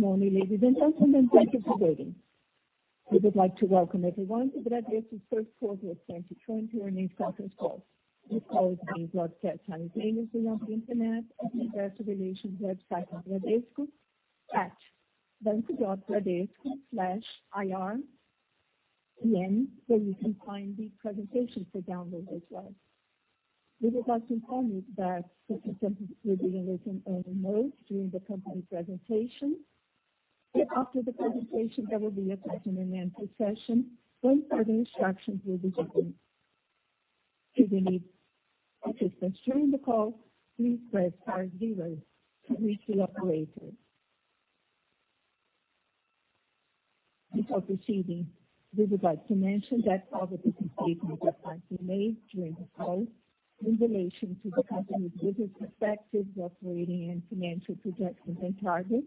Good morning, ladies and gentlemen. Thank you for waiting. We would like to welcome everyone to Bradesco first quarter of 2020 earnings conference call. This call is being broadcast simultaneously on the internet at investor relations website of Bradesco at banco.bradesco/ri, where you can find the presentation for download as well. We would like to inform you that the system will be in listen-only mode during the company presentation. After the presentation, there will be a question-and-answer session. Further instructions will be given. If you need assistance during the call, please press star zero to reach the operator. Before proceeding, we would like to mention that all the statements that might be made during the call in relation to the company's business prospects, operating and financial projections and targets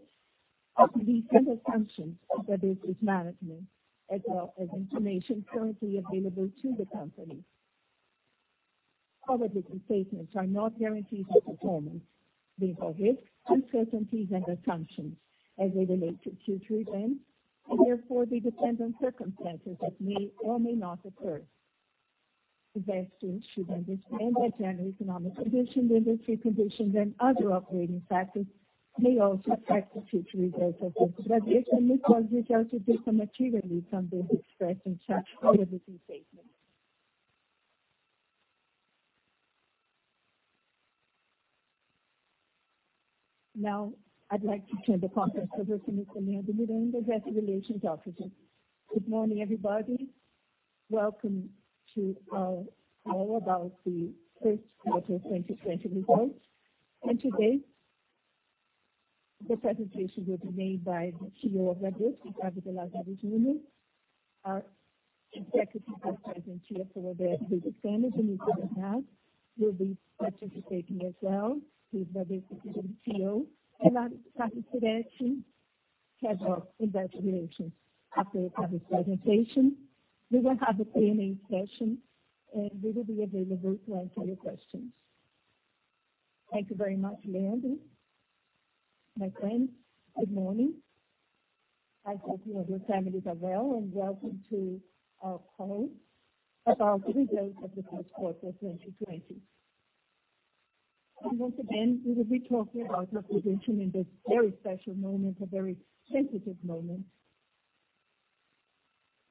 are based on assumptions of the business management, as well as information currently available to the company. Forward-looking statements are not guarantees of performance. They involve risks, uncertainties, and assumptions as they relate to future events, therefore they depend on circumstances that may or may not occur. Investors should understand that general economic conditions, industry conditions, and other operating factors may also affect the future results of Bradesco, these results could differ materially from those expressed in such forward-looking statements. I'd like to turn the conference over to Leandro, the investor relations officer. Good morning, everybody. Welcome to our call about the first quarter 2020 results. Today, the presentation will be made by the CEO of Bradesco, Octávio de Lazari Júnior. Our Executive Vice President here for the business management, André Rodrigues Cano, will be participating as well. He's Bradesco's CFO. Our participation has our Investor Relations Officer, Carlos Firetti. After Octávio's presentation, we will have a Q&A session. We will be available to answer your questions. Thank you very much, Leandro. My friends, good morning. I hope you and your families are well. Welcome to our call about the results of the first quarter of 2020. Once again, we will be talking about our position in this very special moment, a very sensitive moment.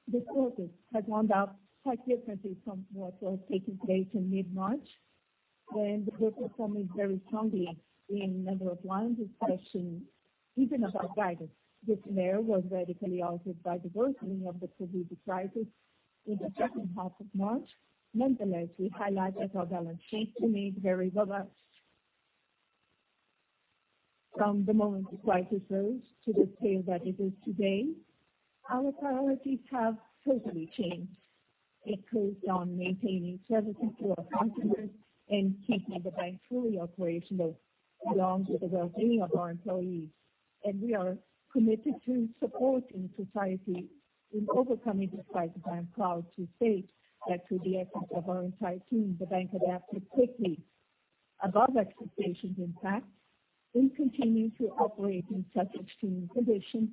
This quarter has wound up quite differently from what was taking place in mid-March, when the group was performing very strongly in a number of lines, especially even above guidance. This scenario was radically altered by the worsening of the COVID crisis in the second half of March. Nonetheless, we highlight that our balance sheet remains very robust. From the moment the crisis rose to the state that it is today, our priorities have totally changed. It focused on maintaining services to our customers and keeping the bank fully operational, along with the well-being of our employees. We are committed to supporting society in overcoming this crisis. I am proud to state that through the efforts of our entire team, the bank adapted quickly, above expectations, in fact, and continues to operate in such extreme conditions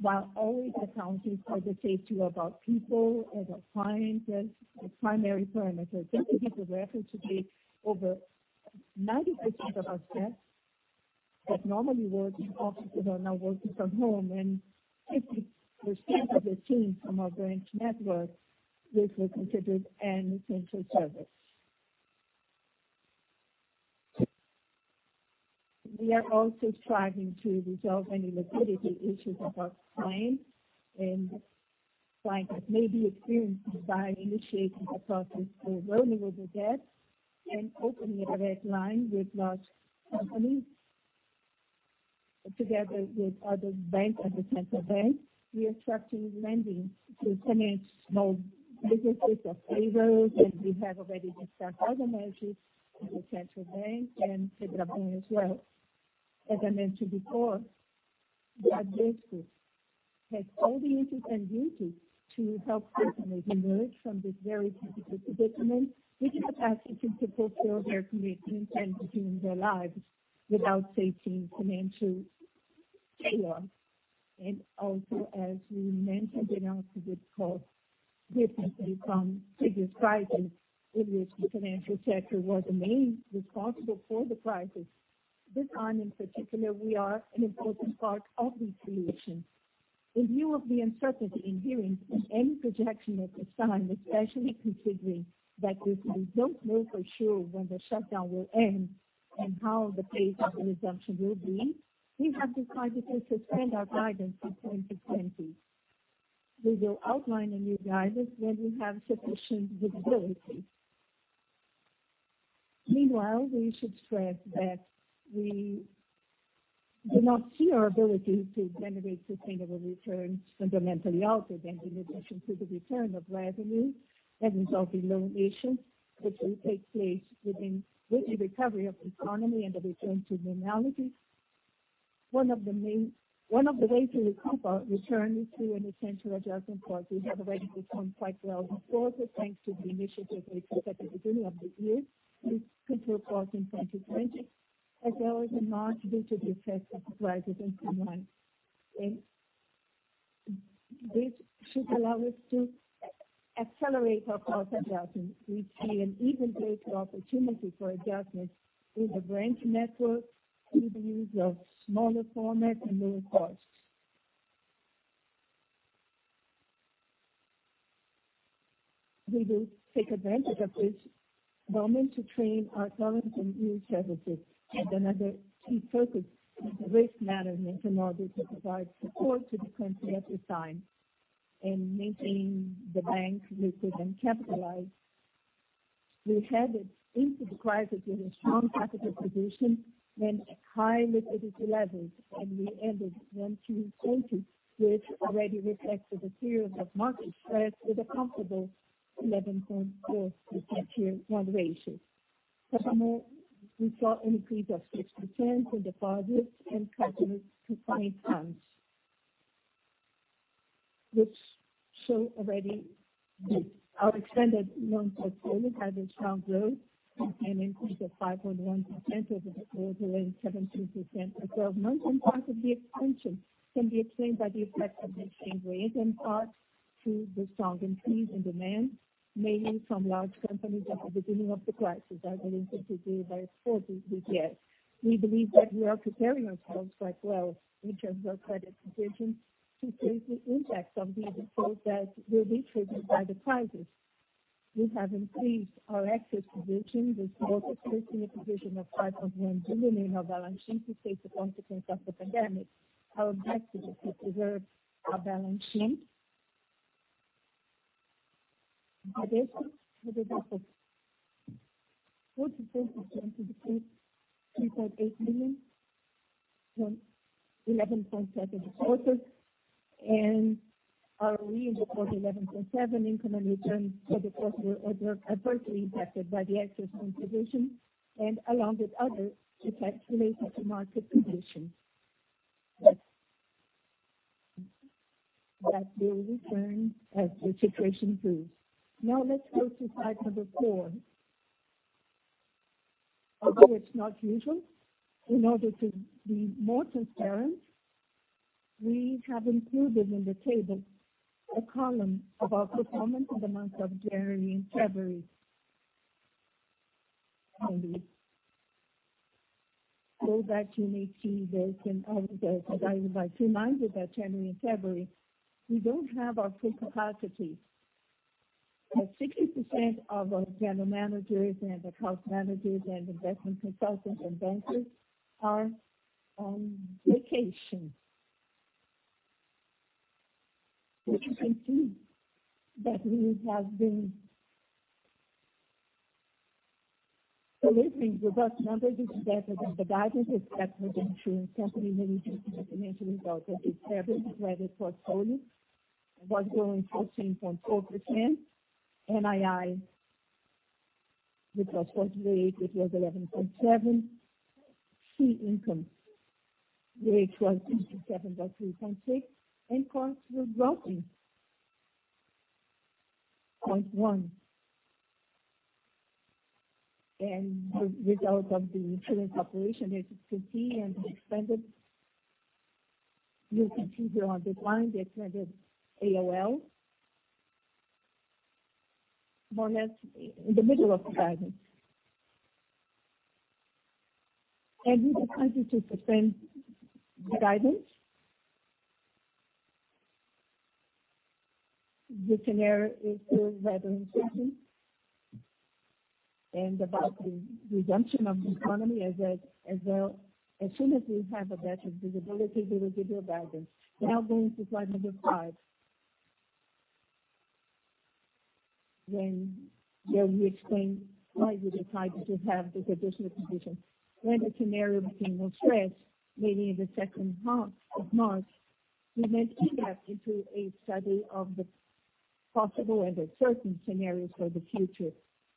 while always accounting for the safety of our people and our clients as the primary parameters. Just as a reference today, over 90% of our staff that normally work in offices are now working from home, and 50% of the teams from our branch network, which were considered an essential service. We are also striving to resolve any liquidity issues of our clients and clients may be experiencing by initiating the process for rolling over the debt and opening a red line with large companies. Together with other banks and the Central Bank, we are structuring lending to finance small businesses of favors, and we have already discussed other measures with the Central Bank as well. As I mentioned before, Bradesco has all the interest and duty to help customers emerge from this very difficult predicament with the capacity to fulfill their commitments and continue their lives without facing financial chaos. Also, as we mentioned in our previous call, differently from previous crises in which the financial sector was the main responsible for the crisis, this time in particular, we are an important part of the solution. In view of the uncertainty inherent in any projection at this time, especially considering that we still don't know for sure when the shutdown will end and how the pace of resumption will be, we have decided to suspend our guidance for 2020. We will outline a new guidance when we have sufficient visibility. Meanwhile, we should stress that we do not see our ability to generate sustainable returns fundamentally altered, and in addition to the return of revenue and resulting loan issuance, which will take place with the recovery of the economy and the return to normality. One of the ways we recoup our return is through an essential adjustment, for we have already performed quite well before this, thanks to the initiatives we took at the beginning of this year with simple costs in 2020, as well as a marginal contributor effect of the wages and some rents. This should allow us to accelerate our cost adjustments. We see an even greater opportunity for adjustments in the branch network through the use of smaller formats and lower costs. We will take advantage of this moment to train our talent in new services. Another key focus is risk management in order to provide support to the country at this time in maintaining the bank liquid and capitalized. We headed into the crisis with a strong capital position and high liquidity levels. We ended 1Q 2020, which already reflects the period of market stress with a comfortable 11.4 common Tier 1 ratio. Furthermore, we saw an increase of 6% in deposits and credits to BRL 20. Which show already our extended loan portfolio had a strong growth, an increase of 5.1% over the end 17% of 12 months. Part of the expansion can be explained by the effect of mixing rates, in part to the strong increase in demand, mainly from large companies at the beginning of the crisis that are linked to the very strong B2B. We believe that we are preparing ourselves quite well in terms of credit provisions to face the impacts of the default that will be triggered by the crisis. We have increased our excess provision with more specific provision of BRL 5.1 billion of allowances to face the consequence of the pandemic. Our objective is to preserve our balance sheet. By basis, with a drop of 40% compared to the previous, BRL 3.8 billion from 44% in the quarter, and our RE in the quarter, 11.7% income and returns for the quarter were adversely impacted by the excess loan provisions and along with other effects related to market conditions. That will return as the situation improves. Let's go to slide number four. Although it's not usual, in order to be more transparent, we have included in the table a column about performance in the months of January and February. If we go back, you may see those numbers are divided by two, minded by January and February. We don't have our full capacity. At 60% of our general managers and account managers and investment consultants and bankers are on vacation. You can see that we have been delivering robust numbers this quarter. The guidance is kept for the ensuing company releases and financial results as February credit portfolio was growing 14.4%. NII, which was quite late, it was 11.7%. Fee income rate was 27.3%. Costs were dropping, 0.1%. The result of the insurance operation is 15% and expanded. You can see they're on decline, the expanded ALL, more or less in the middle of the guidance. We decided to sustain the guidance. The scenario is still rather uncertain. About the resumption of the economy as soon as we have a better visibility, we will give you a guidance. Now going to slide number five. Here we explain why we decided to have this additional provision. When the scenario became more stressed, maybe in the second half of March, we went in-depth into a study of the possible and certain scenarios for the future.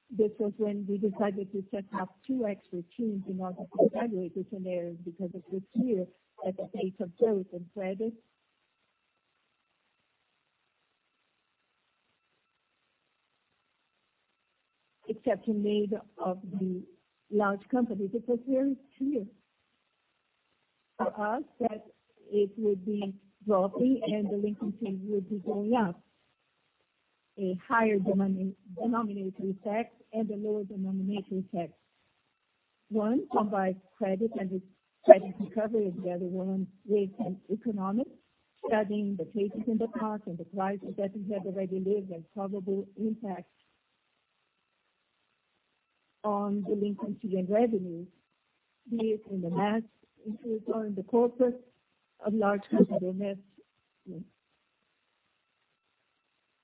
This was when we decided to set up two expert teams in order to evaluate the scenarios because it was clear that the pace of growth in credit. Except the need of the large companies, it was very clear for us that it would be dropping and delinquency would be going up. A higher denominator effect and a lower denominator effect. One on by credit and credit recovery and the other one rate and economic, studying the cases in the past and the crisis that we had already lived and probable impacts on delinquency and revenues, be it in the mass, it was on the corpus of large companies or mass.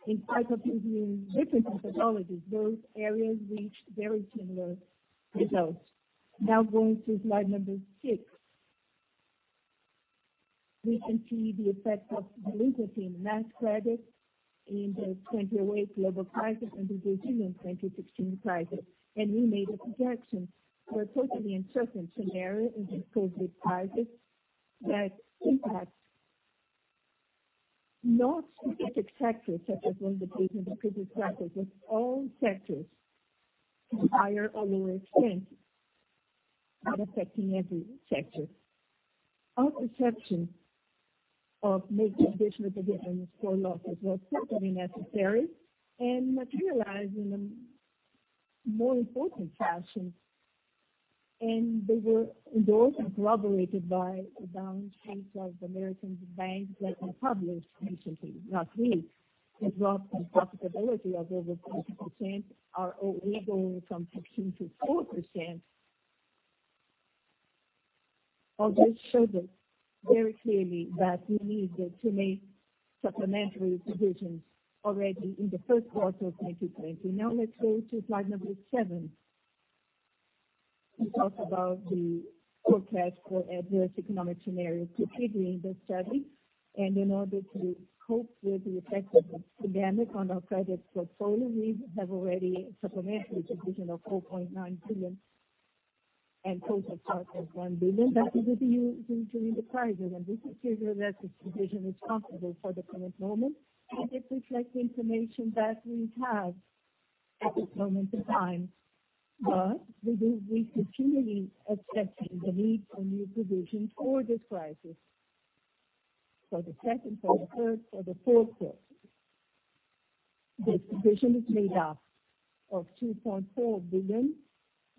In spite of using different methodologies, those areas reached very similar results. Going to slide number six. We can see the effect of delinquency in mass credit in the 2008 global crisis and the Brazilian 2016 crisis. We made a projection. We're totally uncertain scenario in this post-COVID crisis that impacts not specific sectors such as one that we had in the previous crisis, but all sectors to higher or lower extent. Affecting every sector. Our perception of making additional provisions for losses was certainly necessary and materialized in a more important fashion, and they were endorsed and corroborated by the balance sheet of American banks that we published recently, not we. The drop in profitability of over 20%, or even from 16% to 4%. All this showed us very clearly that we needed to make supplementary provisions already in the first quarter of 2020. Let's go to slide number seven and talk about the forecast for adverse economic scenarios. Continuing the study in order to cope with the effects of the pandemic on our credit portfolio, we have already made a supplementary provision of 4.9 billion and total charge of 5.1 billion that we will be using during the crisis. This figure, that is provision, is comfortable for the current moment, and it reflects the information that we have at this moment in time. We will be continually assessing the need for new provision for this crisis, for the second quarter, third, or the fourth quarter. This provision is made up of 2.4 billion,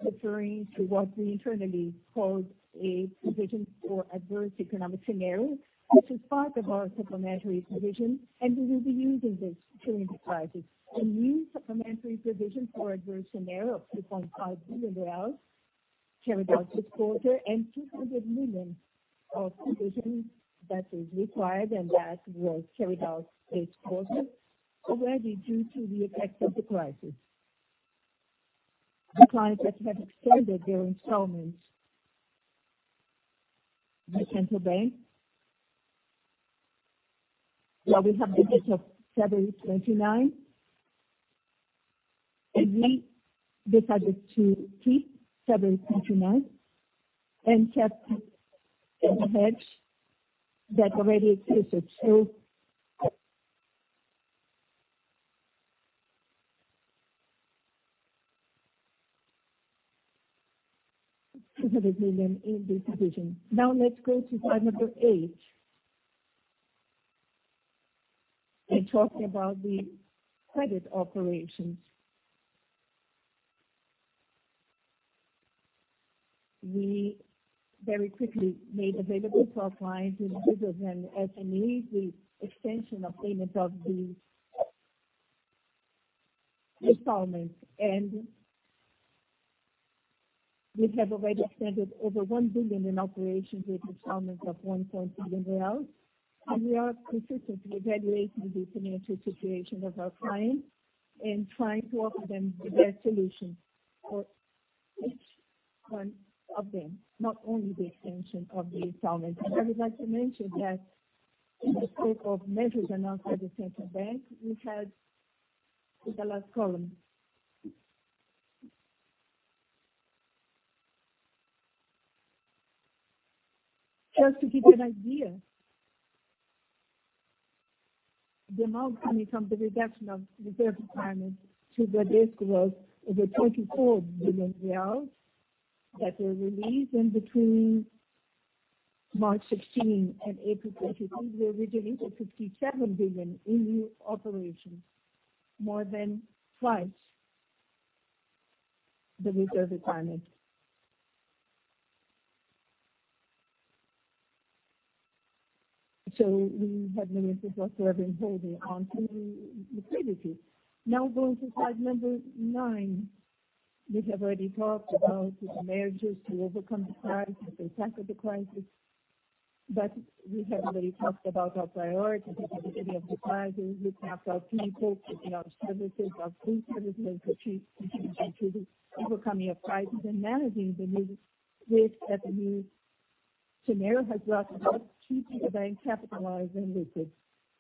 referring to what we internally call a provision for adverse economic scenario, which is part of our supplementary provision, and we will be using this during the crisis. A new supplementary provision for adverse scenario of BRL 2.5 billion carried out this quarter, and 200 million of provision that is required and that was carried out this quarter already due to the effect of the crisis. The clients that have extended their installments at the Central Bank, where we have the date of February 29th, and we decided to keep February 29th and kept the hedge that already existed. BRL 200 million in this provision. Let's go to slide number eight and talk about the credit operations. We very quickly made available to our clients and users an easy extension of payment of the installments, and we have already extended over 1 billion in operations with installments of 1.2 billion real. We are consistently evaluating the financial situation of our clients and trying to offer them the best solutions for each one of them, not only the extension of the installments. I would like to mention that in the scope of measures announced by the Central Bank, we had, in the last column. Just to give you an idea, the amount coming from the reduction of reserve requirements to Bradesco was over 24.1 billion reais that were released in between March 16 and April 30. We were releasing 57 billion in new operations, more than twice the reserve requirement. We had many resources that have been holding on to liquidity. Going to slide number nine. We have already talked about the measures to overcome the crisis, to tackle the crisis. We haven't really talked about our priorities at the beginning of the crisis. We kept our people, keeping our services, our free services, achieving liquidity, overcoming the crisis, and managing the new risk that the new scenario has brought us, keeping the bank capitalized and liquid.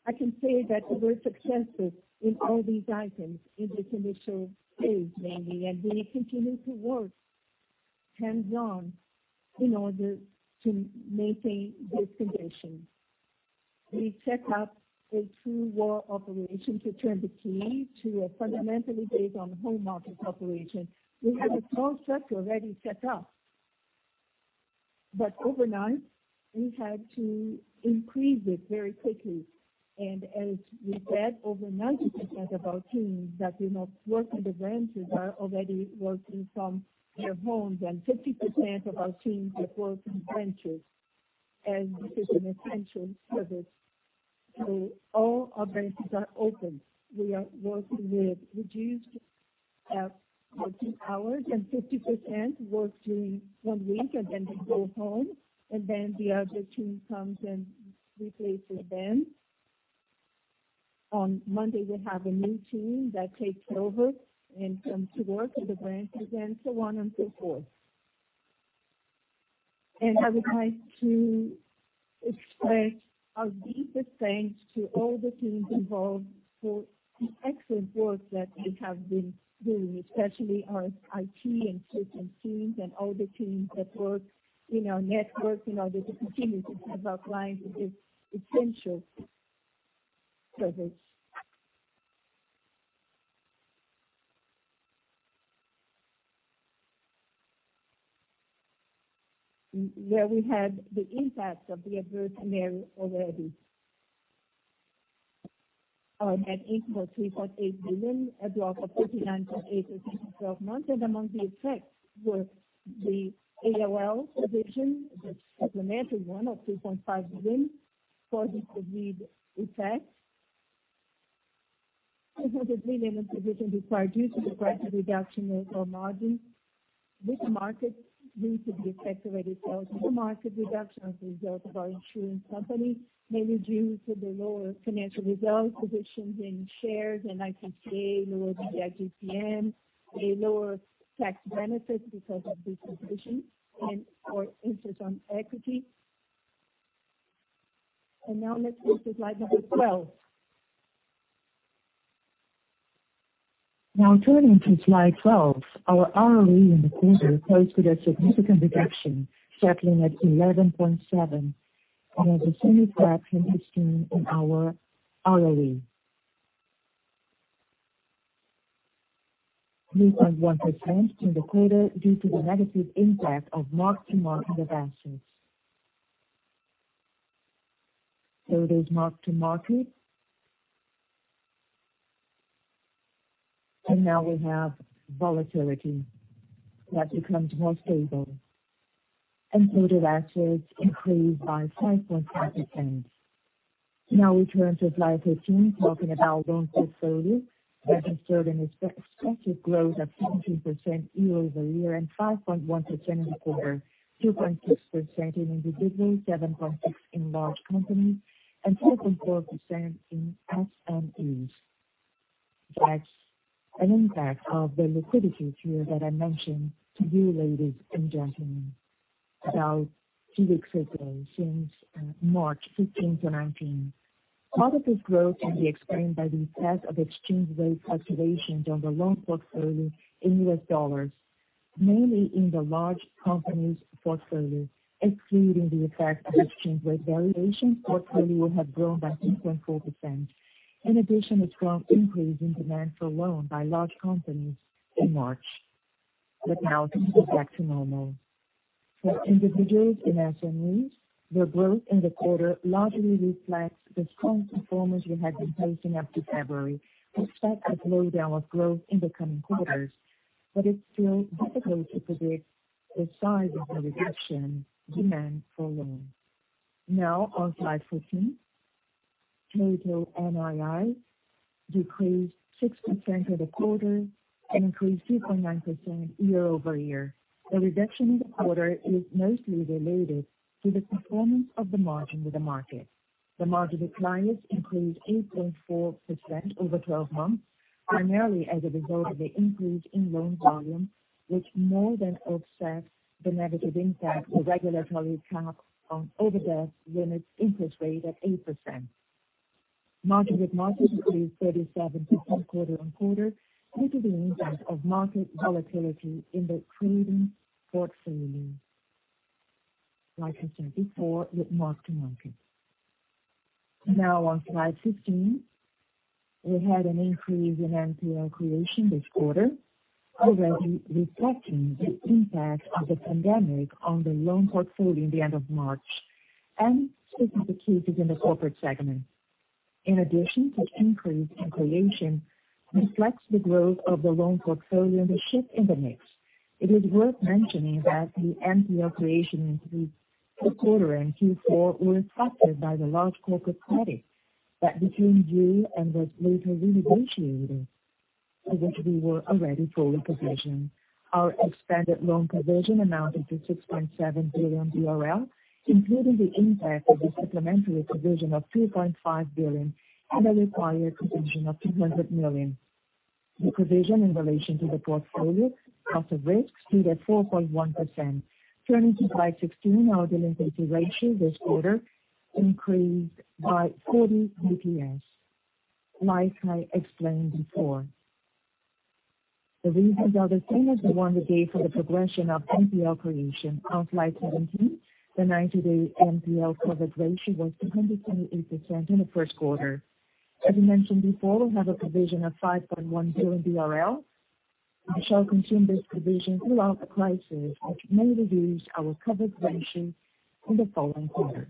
I can say that we were successful in all these items in this initial phase, mainly, and we continue to work hands-on in order to maintain this condition. We set up a true war operation to turn the key to a fundamentally based on home office operation. We had a small structure already set up. Overnight, we had to increase it very quickly. As we said, over 90% of our teams that do not work in the branches are already working from their homes, and 50% of our teams that work in branches as this is an essential service. All our branches are open. We are working with reduced working hours, and 50% work during one week, and then they go home, and then the other team comes and replaces them. On Monday, we have a new team that takes over and comes to work in the branches and so on and so forth. I would like to express our deepest thanks to all the teams involved for the excellent work that they have been doing, especially our IT and systems teams and all the teams that work in our network in order to continue to serve our clients with this essential service. Where we had the impact of the adverse scenario already. Our net income of 3.8 billion, a drop of 19.8% in 12 months. Among the effects were the ALL provision, the supplementary one of 2.5 billion for the COVID effect. 200 million in provision required due to the price reduction of our margin. This market due to the effect of retail, mark-to-market reduction as a result of our insurance company, mainly due to the lower financial results, provisions in shares and ICA, lower PBI-GPM, a lower tax benefit because of this provision and our interest on equity. Now let's go to slide number 12. Now turning to slide 12, our ROE in the quarter goes to the significant reduction, settling at 11.7% and has the same graph in history in our ROE. 3.1% in the quarter due to the negative impact of mark-to-market of assets. It is mark-to-market. Now we have volatility that becomes more stable. Total assets increased by 5.5%. Now we turn to slide 13, talking about loan portfolio that showed an expected growth of 17% year-over-year and 5.1% in the quarter, 2.6% in individual, 7.6% in large companies and 4.4% in SMEs. That's an impact of the liquidity fear that I mentioned to you, ladies and gentlemen, about two weeks ago, since March 15 to 19. Part of this growth can be explained by the impact of exchange rate fluctuations on the loan portfolio in U.S. dollars, mainly in the large companies portfolio. Excluding the effect of exchange rate variations, portfolio would have grown by 6.4%. In addition, a strong increase in demand for loans by large companies in March. Now things are back to normal. For individuals and SMEs, the growth in the quarter largely reflects the strong performance we had been facing up to February. We expect a slowdown of growth in the coming quarters, but it's still difficult to predict the size of the reduction demand for loans. Now on slide 14, total NII decreased 60% for the quarter and increased 2.9% year-over-year. The reduction in the quarter is mostly related to the performance of the margin with the market. The margin declines increased 8.4% over 12 months, primarily as a result of the increase in loan volume, which more than offsets the negative impact of regulatory caps on overdraft limits interest rate at 8%. Margin with market increased 37% quarter-on-quarter due to the impact of market volatility in the trading portfolio, like I said before, with mark-to-market. Now on slide 15, we had an increase in NPL creation this quarter, already reflecting the impact of the pandemic on the loan portfolio at the end of March and specifically within the corporate segment. In addition to increase in creation reflects the growth of the loan portfolio and the shift in the mix. It is worth mentioning that the NPL creation increase for quarter and Q4 were affected by the large corporate credit that became due and was later renegotiated, for which we were already fully provisioned. Our expanded loan provision amounted to 6.7 billion BRL, including the impact of the supplementary provision of 2.5 billion and a required provision of 200 million. The provision in relation to the portfolio cost of risk stood at 4.1%. Turning to slide 16, our delinquency ratio this quarter increased by 40 basis points, like I explained before. The reasons are the same as the one we gave for the progression of NPL creation. On slide 17, the 90-day NPL covered ratio was 228% in the first quarter. As mentioned before, we have a provision of 5.1 billion BRL. We shall consume this provision throughout the crisis, which may reduce our covered ratio in the following quarters.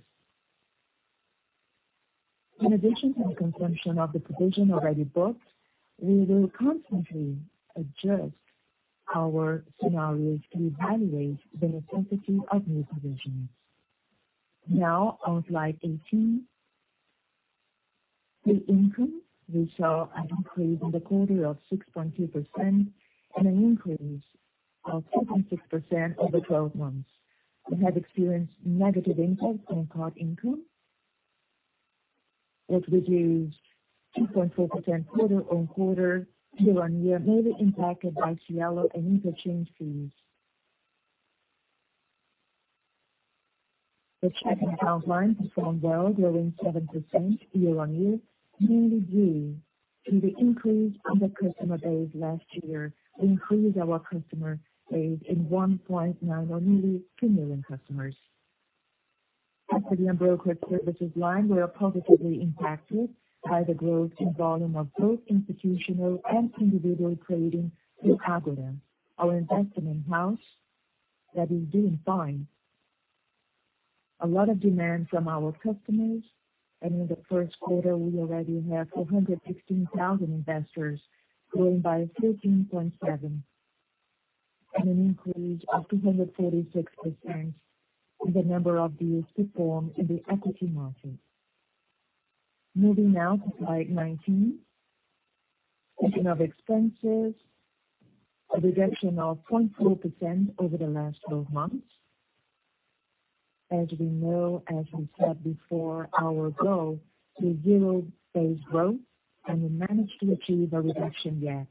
In addition to the consumption of the provision already booked, we will constantly adjust our scenarios to evaluate the necessity of new provisions. Now on slide 18, net income, we saw an increase in the quarter of 6.2% and an increase of 2.6% over 12 months. We have experienced negative impacts on card income, which reduced 2.4% quarter-on-quarter year-on-year, mainly impacted by Cielo and interchange fees. The checking account line performed well, growing 7% year-on-year, mainly due to the increase on the customer base last year. We increased our customer base in 1.9 million or nearly two million customers. Custody and brokerage services line were positively impacted by the growth in volume of both institutional and individual trading through Ágora, our investment in-house that is doing fine. A lot of demand from our customers. In the first quarter, we already have 416,000 investors growing by 13.7% and an increase of 246% in the number of deals performed in the equity market. Moving now to slide 19. Reduction of expenses, a reduction of 24% over the last 12 months. As we know, as we said before, our goal is zero-based growth. We managed to achieve a reduction year.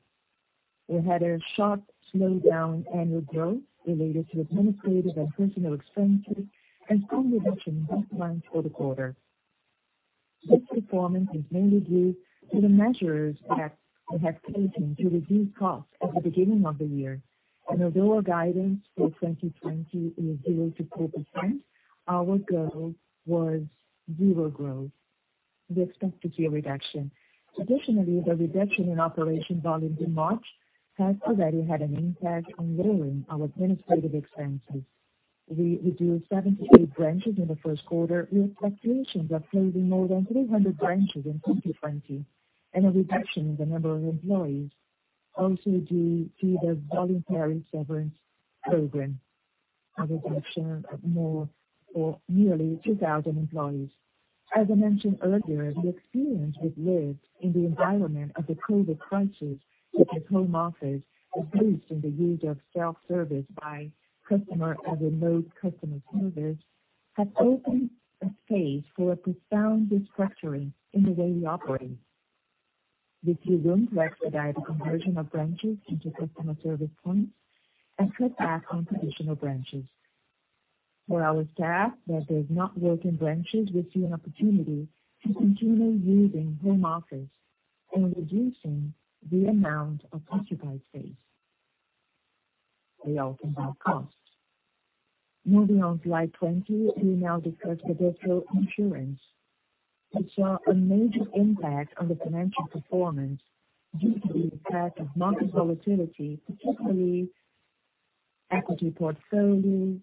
We had a sharp slowdown annual growth related to administrative and personal expenses and some reduction in both lines for the quarter. This performance is mainly due to the measures that we have taken to reduce costs at the beginning of the year and although our guidance for 2020 is 0%-4%, our goal was zero growth. We expect to see a reduction. Additionally, the reduction in operation volume in March has already had an impact on lowering our administrative expenses. We reduced 78 branches in the first quarter, with expectations of closing more than 300 branches in 2020 and a reduction in the number of employees. Also due to the voluntary severance program, a reduction of more or nearly 2,000 employees. As I mentioned earlier, the experience we've lived in the environment of the COVID crisis, with this home office, a boost in the use of self-service by customer and remote customer service, has opened a phase for a profound restructuring in the way we operate. This will room to expedite the conversion of branches into customer service points and cut back on traditional branches. For our staff that does not work in branches, we see an opportunity to continue using home office and reducing the amount of occupied space. We also have costs. Moving on to slide 20. We now discuss the Bradesco Seguros, which saw a major impact on the financial performance due to the effect of market volatility, particularly equity portfolio,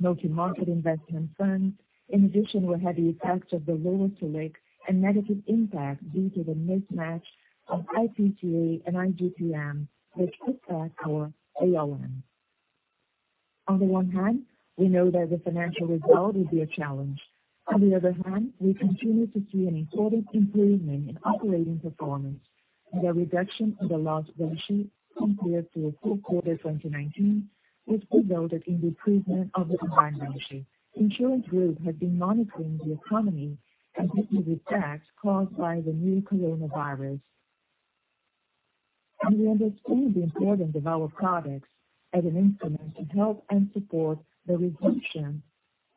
multi-market investment funds. In addition, we had the effect of the lower Selic and negative impact due to the mismatch of IPCA and IGP-M, which hit hard our ALM. On the one hand, we know that the financial result will be a challenge. On the other hand, we continue to see an important improvement in operating performance. The reduction in the large balance sheet compared to the fourth quarter 2019 was reflected in the improvement of the combined ratio. Bradesco Seguros has been monitoring the economy and the impact caused by the new coronavirus. We understand the importance of our products as an instrument to help and support the reduction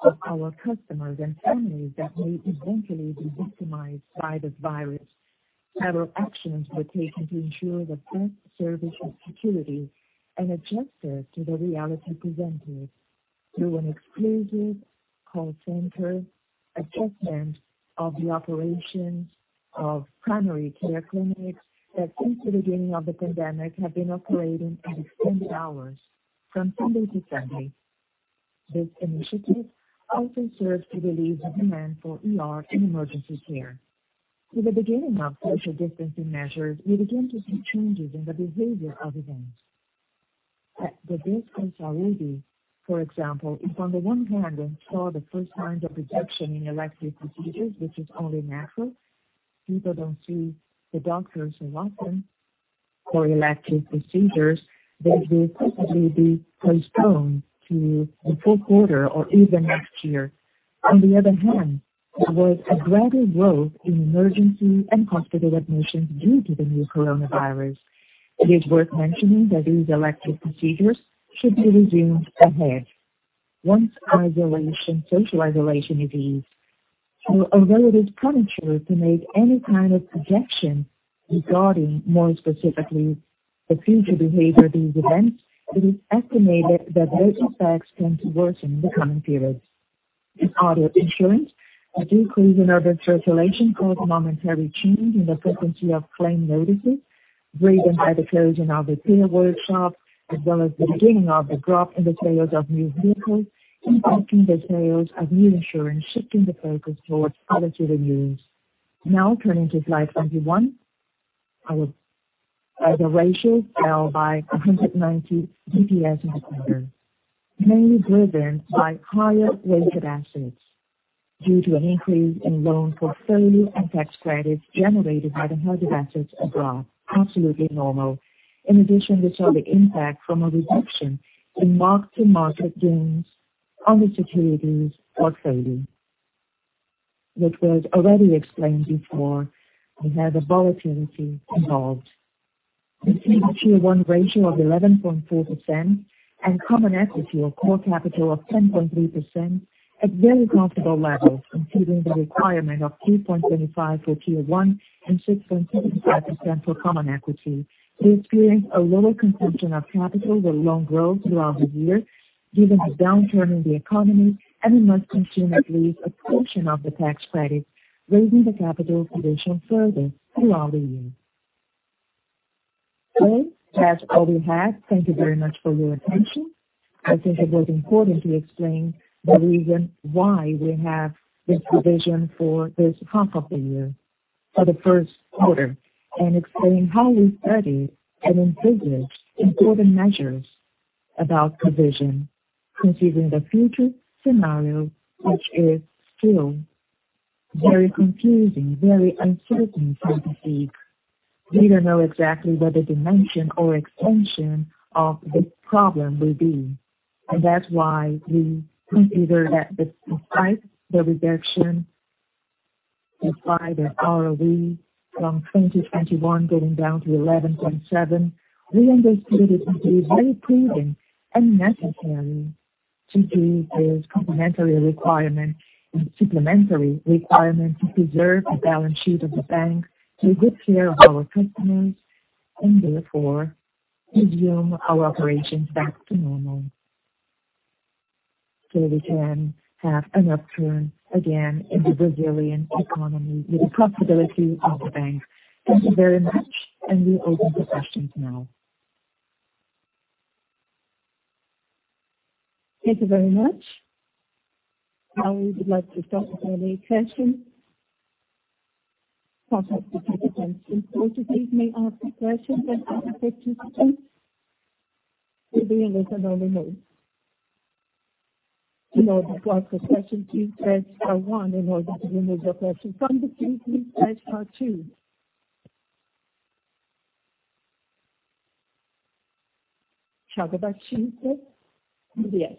of our customers and families that may eventually be victimized by this virus. Several actions were taken to ensure the best service and security and adjusted to the reality presented through an exclusive call center, adjustment of the operations of primary care clinics that since the beginning of the pandemic have been operating at extended hours from Sunday to Sunday. This initiative also serves to relieve the demand for ER and emergency care. With the beginning of social distancing measures, we begin to see changes in the behavior of events. At the base in São Luís, for example, if on the one hand we saw the first signs of reduction in elective procedures, which is only natural, people don't see the doctors as often for elective procedures that will possibly be postponed to the fourth quarter or even next year. On the other hand, there was a greater growth in emergency and hospital admissions due to the new coronavirus. It is worth mentioning that these elective procedures should be resumed ahead once isolation, social isolation is eased. Although it is premature to make any kind of projection regarding more specifically the future behavior of these events, it is estimated that those effects tend to worsen in the coming periods. In auto insurance, a decrease in urban circulation caused a momentary change in the frequency of claim notices, driven by the closing of repair workshops, as well as the beginning of the drop in the sales of new insurance, shifting the focus towards policy reviews. Now turning to slide 21. The ratios fell by 190 basis points in the quarter, mainly driven by higher-rated assets due to an increase in loan portfolio and tax credits generated by the held assets abroad. Absolutely normal. In addition, we saw the impact from a reduction in mark-to-market gains on the securities portfolio, which was already explained before. We had a volatility involved. We see the Tier 1 ratio of 11.4% and common equity or core capital of 10.3% at very comfortable levels, exceeding the requirement of 2.25% for Tier 1 and 6.25% for common equity. We experienced a lower consumption of capital with loan growth throughout the year, given the downturn in the economy and we must consume at least a portion of the tax credit, raising the capital position further throughout the year. Well, that's all we have. Thank you very much for your attention. I think it was important to explain the reason why we have this provision for this half of the year, for the first quarter, and explain how we studied and envisaged important measures about provision, considering the future scenario, which is still very confusing, very uncertain, frankly. We don't know exactly what the dimension or extension of this problem will be. That's why we consider that despite the reduction of either ROE from 20%, 21% going down to 11.7%, we understood it to be very prudent and necessary to do this complementary requirement and supplementary requirement to preserve the balance sheet of the bank, take good care of our customers, and therefore resume our operations back to normal so we can have an upturn again in the Brazilian economy with the profitability of the bank. Thank you very much. We open for questions now. Thank you very much. Now we would like to start with any questions. Operators, would you please may ask a question to our participants? We'll be listening only now. To ask a question, please press star one. In order to remove your question from the queue, please press star two. Thiago Batista with UBS.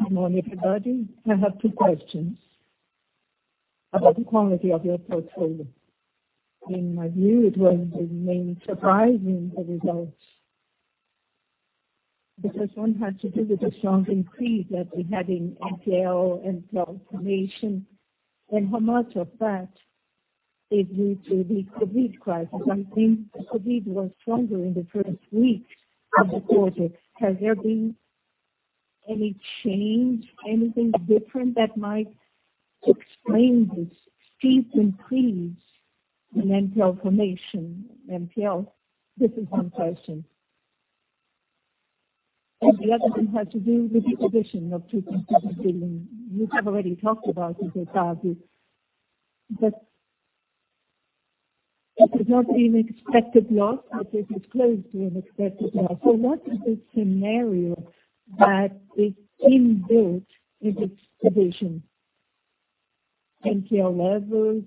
Good morning, everybody. I have two questions about the quality of your portfolio. In my view, it was mainly surprising, the results, because one had to do with the strong increase that we had in NPL and NPL formation and how much of that is due to the COVID crisis. I think COVID was stronger in the first weeks of the quarter. Has there been any change, anything different that might explain this steep increase in NPL formation, NPL? This is one question. The other one has to do with the provision of 2.7 billion, which I've already talked about with Octávio, but it was not an expected loss, but it is close to an expected loss. What is the scenario that is inbuilt in this provision? NPL levels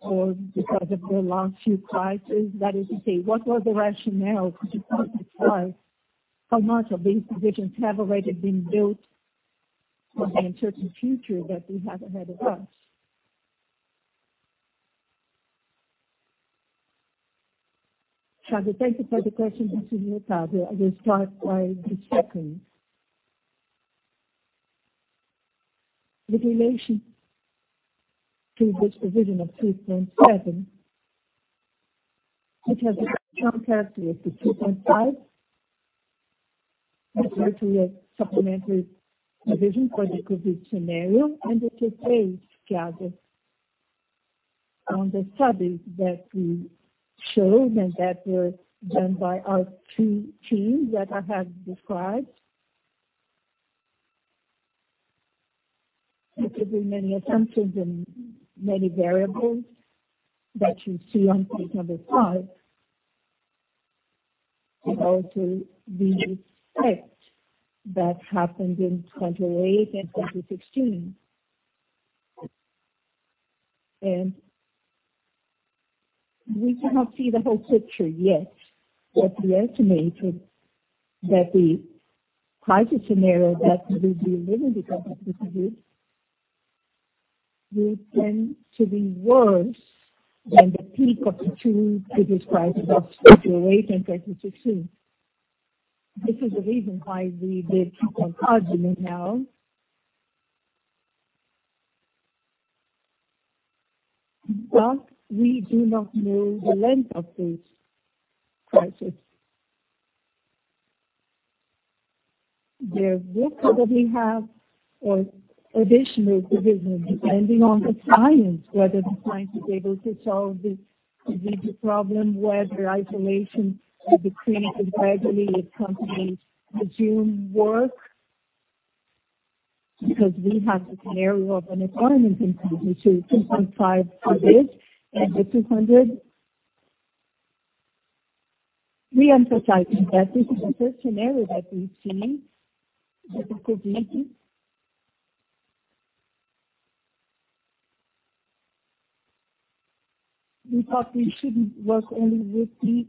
or because of the last few crises? That is to say, what was the rationale to provide this much? These provisions have already been built for the uncertain future that we have ahead of us. Thiago, thank you for the question. This is Octávio. I will start by the second. With relation to this provision of BRL 2.7 billion, it has a strong character of the 2.5. That's actually a supplementary provision for the COVID scenario, and it is based, Thiago, on the studies that we showed and that were done by our two teams that I have described. It could be many assumptions and many variables that you see on page number five in order to be strict that happened in 2008 and 2016. We cannot see the whole picture yet, but we estimated that the crisis scenario that we've been living because of this group would tend to be worse than the peak of the two biggest crisis of 2008 and 2016. This is the reason why we did BRL 2.5 billion now. We do not know the length of this crisis. There will probably have additional provisions depending on the science, whether the science is able to solve this COVID problem, whether isolation will be created gradually as companies resume work, because we have the scenario of unemployment increasing to 2.5 for this and 200 million. We emphasize that this is the first scenario that we've seen with COVID. We thought we shouldn't work only with the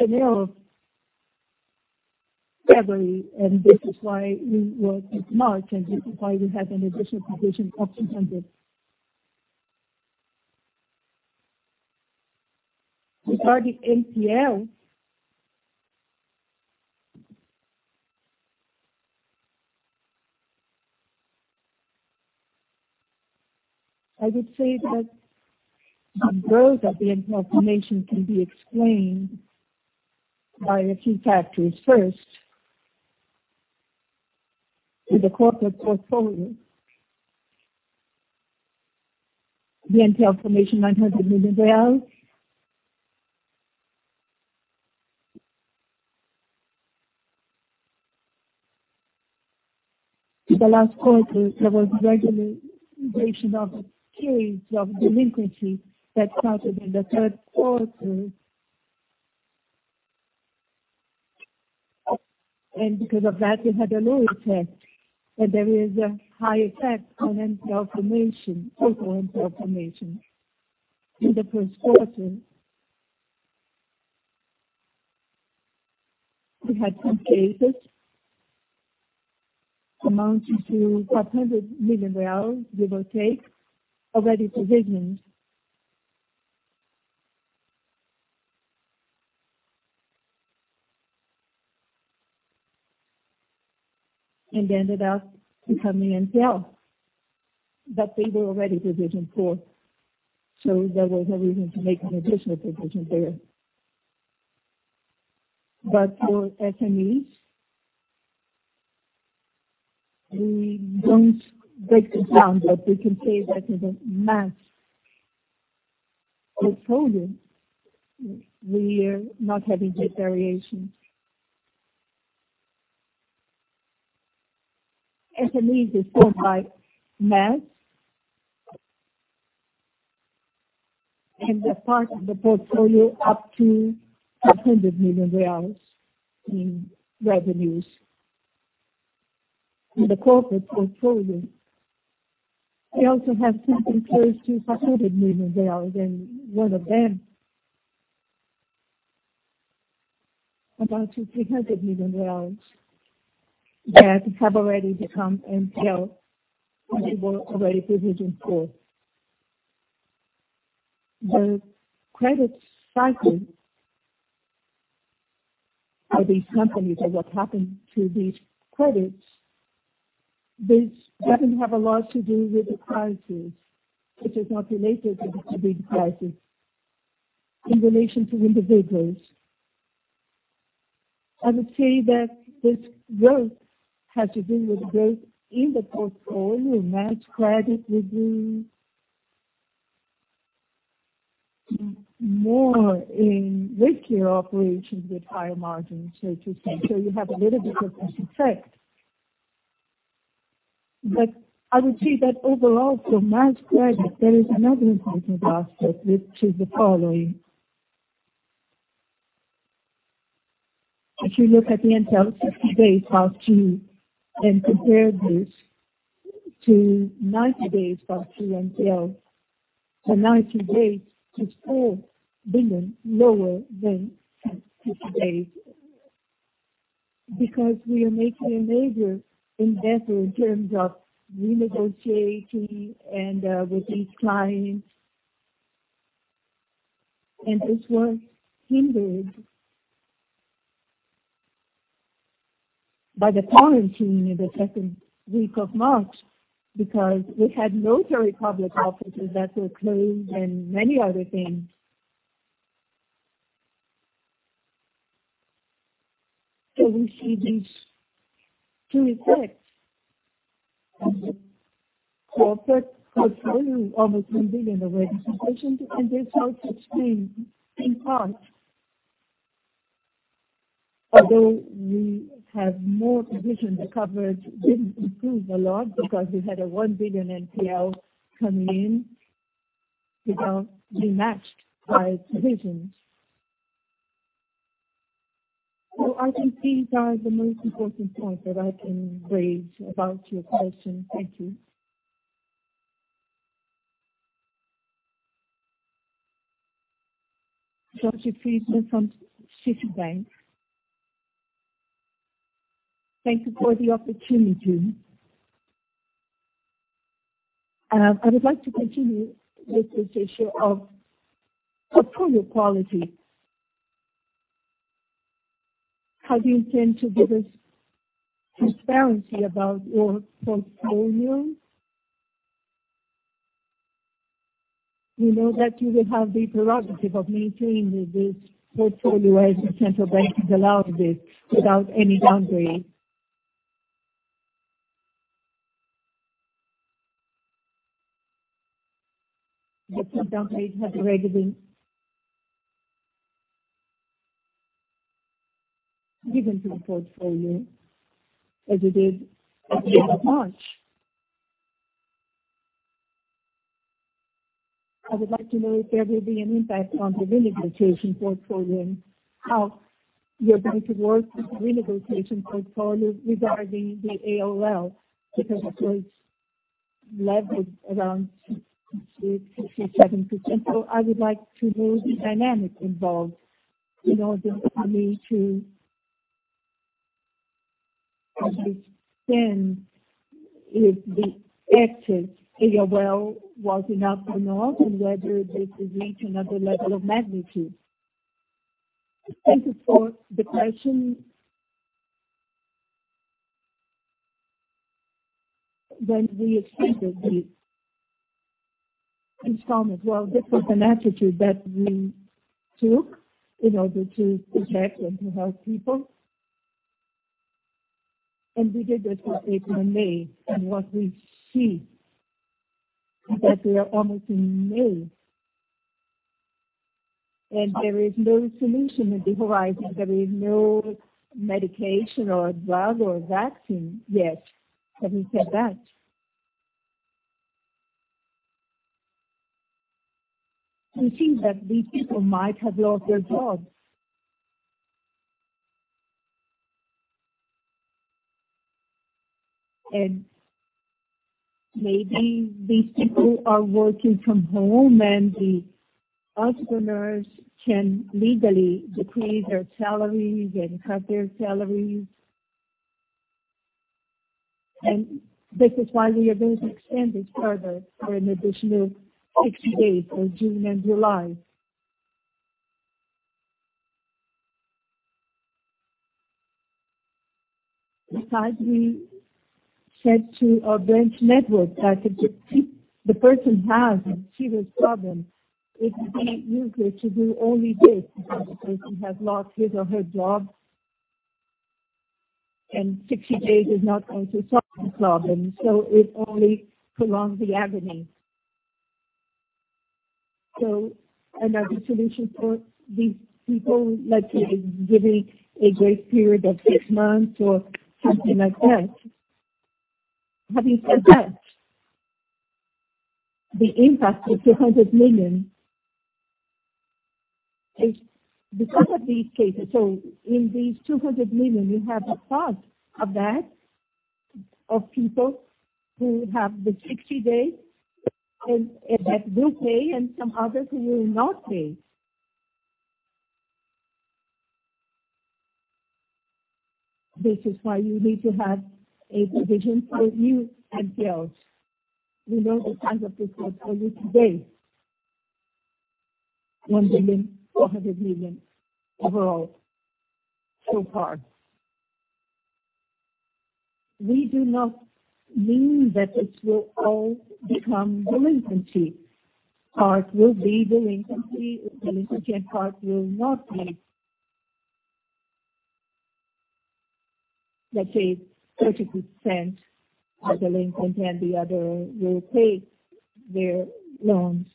Now, February. This is why we were smart and this is why we have an additional provision of 200 million. Regarding NPL, I would say that the growth of the NPL formation can be explained by a few factors. First, in the corporate portfolio, the NPL formation, BRL 900 million. In the last quarter, there was a regulation of a series of delinquencies that started in the third quarter, because of that, we had a lower effect. There is a high effect on NPL formation, total NPL formation. In the first quarter, we had some cases amounting to 400 million real we will take already provisioned and ended up becoming NPL. They were already provisioned for. There was no reason to make an additional provision there. For SMEs, we don't break it down, but we can say that in the mass portfolio, we are not having big variations. SMEs are sold by mass and they're part of the portfolio up to 500 million reais in revenues. In the corporate portfolio, we also have something close to 500 million, and one of them amounts to BRL 300 million that have already become NPL and they were already provisioned for. The credit cycles of these companies or what happened to these credits, this doesn't have a lot to do with the crisis. It is not related to the big crisis in relation to individuals. I would say that this growth has to do with growth in the portfolio, mass credit review, more in retail operations with higher margins, so to say. You have a little bit of this effect. I would say that overall, for mass credit, there is another important aspect, which is the following. If you look at the NPL 60 days past due and compare this to 90 days past due NPL, the 90 days is 4 billion lower than 60 days because we are making a major endeavor in terms of renegotiating and with these clients. This was hindered by the quarantine in the second week of March because we had notary public offices that were closed and many other things. We see these two effects. Corporate portfolio, almost BRL 1 billion already provisioned, and this helps explain, in part, although we have more provision coverage didn't improve a lot because we had a 1 billion NPL coming in without being matched by provisions. I think these are the most important points that I can raise about your question. Thank you. Next question comes from Jörg Friedman from Citi. Thank you for the opportunity. I would like to continue with this issue of portfolio quality. How do you intend to give us transparency about your portfolios? We know that you will have the prerogative of maintaining this portfolio as the Central Bank of Brazil has allowed this without any downgrade. Some downgrades have already been given to the portfolio as it is at the end of March. I would like to know if there will be an impact on the renegotiation portfolio, how you're going to work with the renegotiation portfolio regarding the ALL, because it was leveled around 66%, 67%. I would like to know the dynamic involved in order for me to understand if the effort, ALL, was enough or not, and whether this has reached another level of magnitude. Thank you for the question. We extended the installment. Well, this was an attitude that we took in order to protect and to help people. We did this for April and May. What we see is that we are almost in May, and there is no solution at the horizon. There is no medication or drug or vaccine yet. Have you said that? It seems that these people might have lost their jobs. Maybe these people are working from home, and the entrepreneurs can legally decrease their salaries and cut their salaries. This is why we are going to extend this further for an additional 60 days, for June and July. Besides, we said to our branch network that if the person has a serious problem, it would be useless to do only this because the person has lost his or her job, and 60 days is not going to solve the problem. It only prolongs the agony. Another solution for these people, let's say, giving a grace period of six months or something like that. Have you said that? The impact of 200 million is because of these cases. In these 200 million, you have a part of that, of people who have the 60 days that will pay and some others who will not pay. This is why you need to have a provision for ALL. We know the kinds of requests are with today. 1.4 billion, overall so far. We do not mean that this will all become delinquency. Part will be delinquency, and part will not be. Let's say 30% are delinquent, and the other will pay their loans.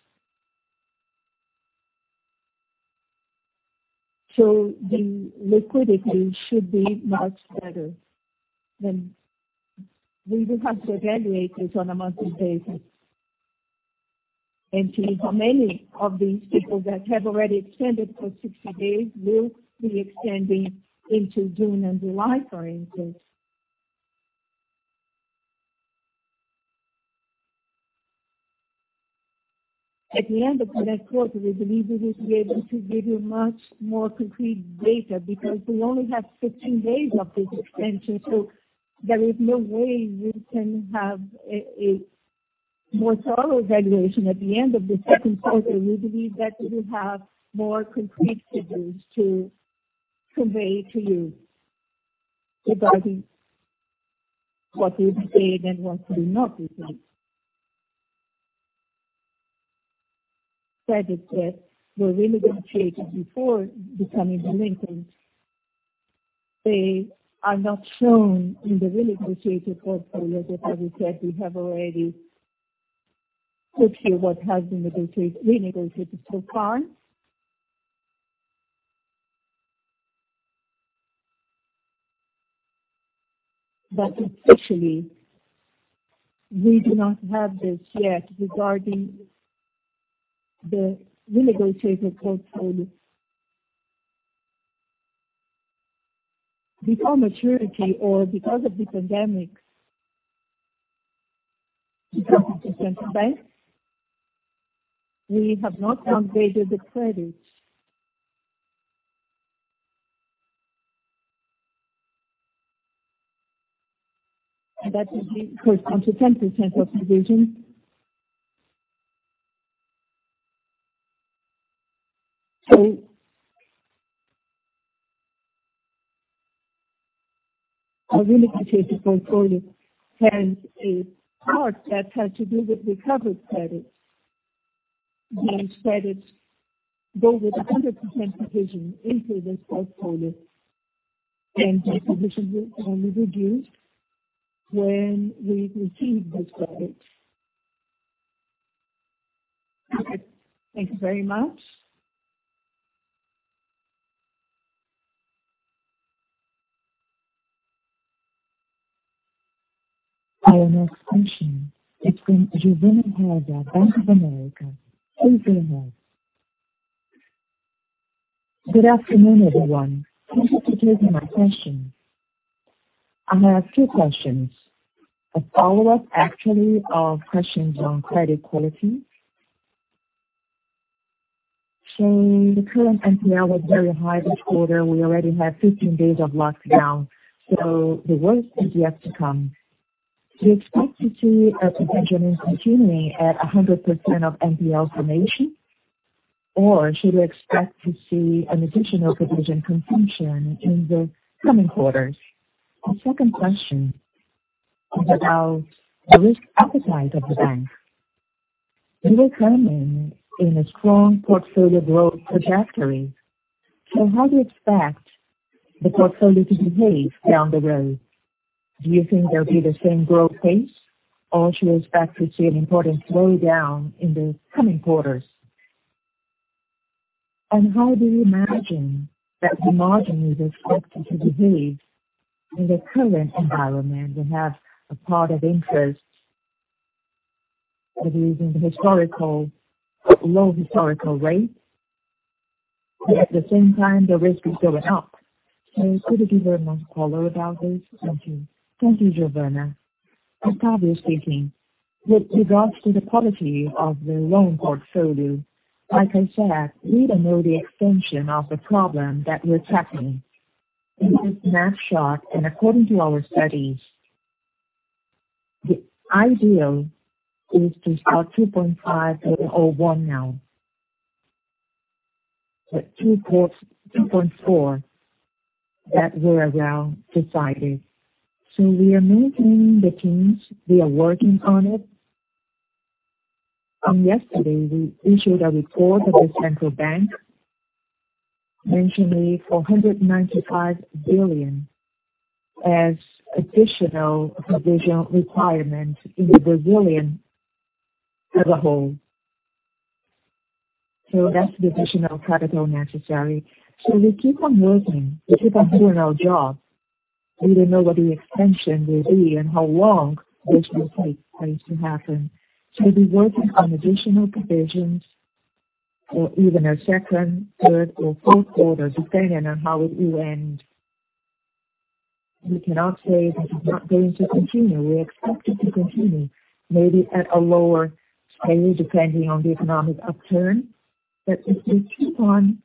We will have to evaluate this on a monthly basis and see how many of these people that have already extended for 60 days will be extending into June and July, for instance. At the end of the next quarter, we believe we will be able to give you much more concrete data because we only have 15 days of this extension, there is no way we can have a more thorough evaluation at the end of the second quarter. We believe that we will have more concrete figures to convey to you regarding what will be paid and what will not be paid. Credits that were renegotiated before becoming delinquent, they are not shown in the renegotiated portfolio because, as we said, we have already booked here what has been renegotiated so far. Officially, we do not have this yet regarding the renegotiated portfolio, before maturity or because of the pandemic. Because of the Central Bank, we have not downgraded the credit. That is the current contingency of provisions. Our renegotiated portfolio has a part that has to do with recovered credits. These credits go with 100% provision into this portfolio, and the provision will only reduce when we receive these credits. All right. Thank you very much. Our next question is from Giovanna Pimentel of Bank of America. Over to you, Giovanna. Good afternoon, everyone. Thank you for taking my question. I have two questions, a follow-up, actually, of questions on credit quality. The current NPL was very high this quarter. We already have 15 days of lockdown, so the worst is yet to come. Do you expect to see a provision continuing at 100% of NPL formation, or should we expect to see an additional provision consumption in the coming quarters? The second question is about the risk appetite of the bank. You are coming in a strong portfolio growth trajectory. How do you expect the portfolio to behave down the road? Do you think there'll be the same growth pace, or should we expect to see an important slowdown in the coming quarters? How do you imagine that the margin is expected to behave in the current environment? We have a part of interest that is in the historical, low historical rates, but at the same time, the risk is going up. Could you give a word more color about this? Thank you. Thank you, Giovanna. Octávio speaking. With regards to the quality of the loan portfolio, like I said, we don't know the extension of the problem that we're tackling. It is a mass shock, and according to our studies, the ideal is to start 2.5 or one now. 2.4, that we're well decided. We are maintaining the teams. We are working on it. Yesterday, we issued a report of the Central Bank mentioning 495 billion as additional provision requirement in the Brazilian as a whole. That's the additional capital necessary. We keep on working, we keep on doing our job. We don't know what the extension will be and how long this will take things to happen. We'll be working on additional provisions for even a second, third, or fourth quarter, depending on how it will end. We cannot say this is not going to continue. We expect it to continue maybe at a lower value, depending on the economic upturn. We still keep on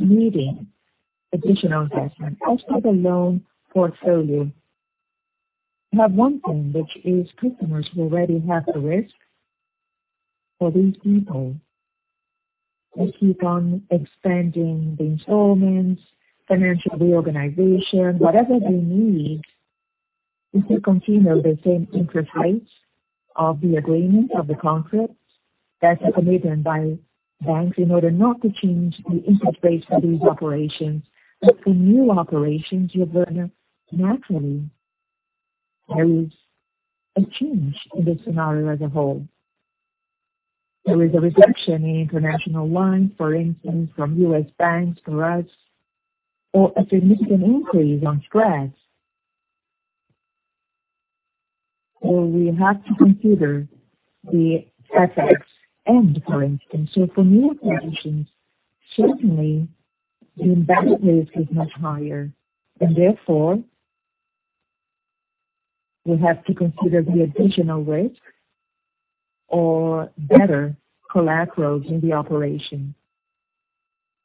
needing additional assessment. As for the loan portfolio, we have one thing, which is customers who already have the risk. For these people, we keep on expanding the installments, financial reorganization, whatever they need to still continue the same interest rates of the agreement of the contract. That's a commitment by banks in order not to change the interest rates for these operations. For new operations, Giovanna, naturally, there is a change in the scenario as a whole. There is a reduction in international loans, for instance, from U.S. banks to us, or a significant increase on spreads. We have to consider the FX end, for instance. For new positions, certainly the embed risk is much higher and therefore we have to consider the additional risk or better collaterals in the operation,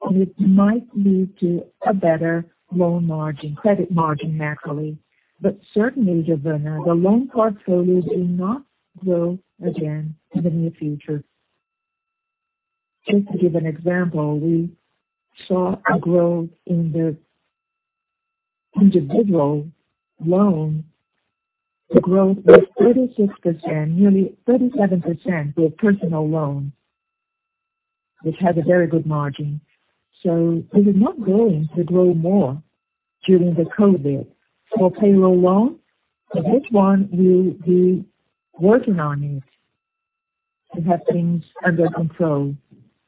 which might lead to a better loan margin, credit margin, naturally. Certainly, Giovanna, the loan portfolio will not grow again in the near future. To give an example, we saw a growth in the individual loans. The growth was 36%, nearly 37% for personal loans, which have a very good margin. It is not going to grow more during the COVID. For payroll loans, this one we'll be working on it to have things under control.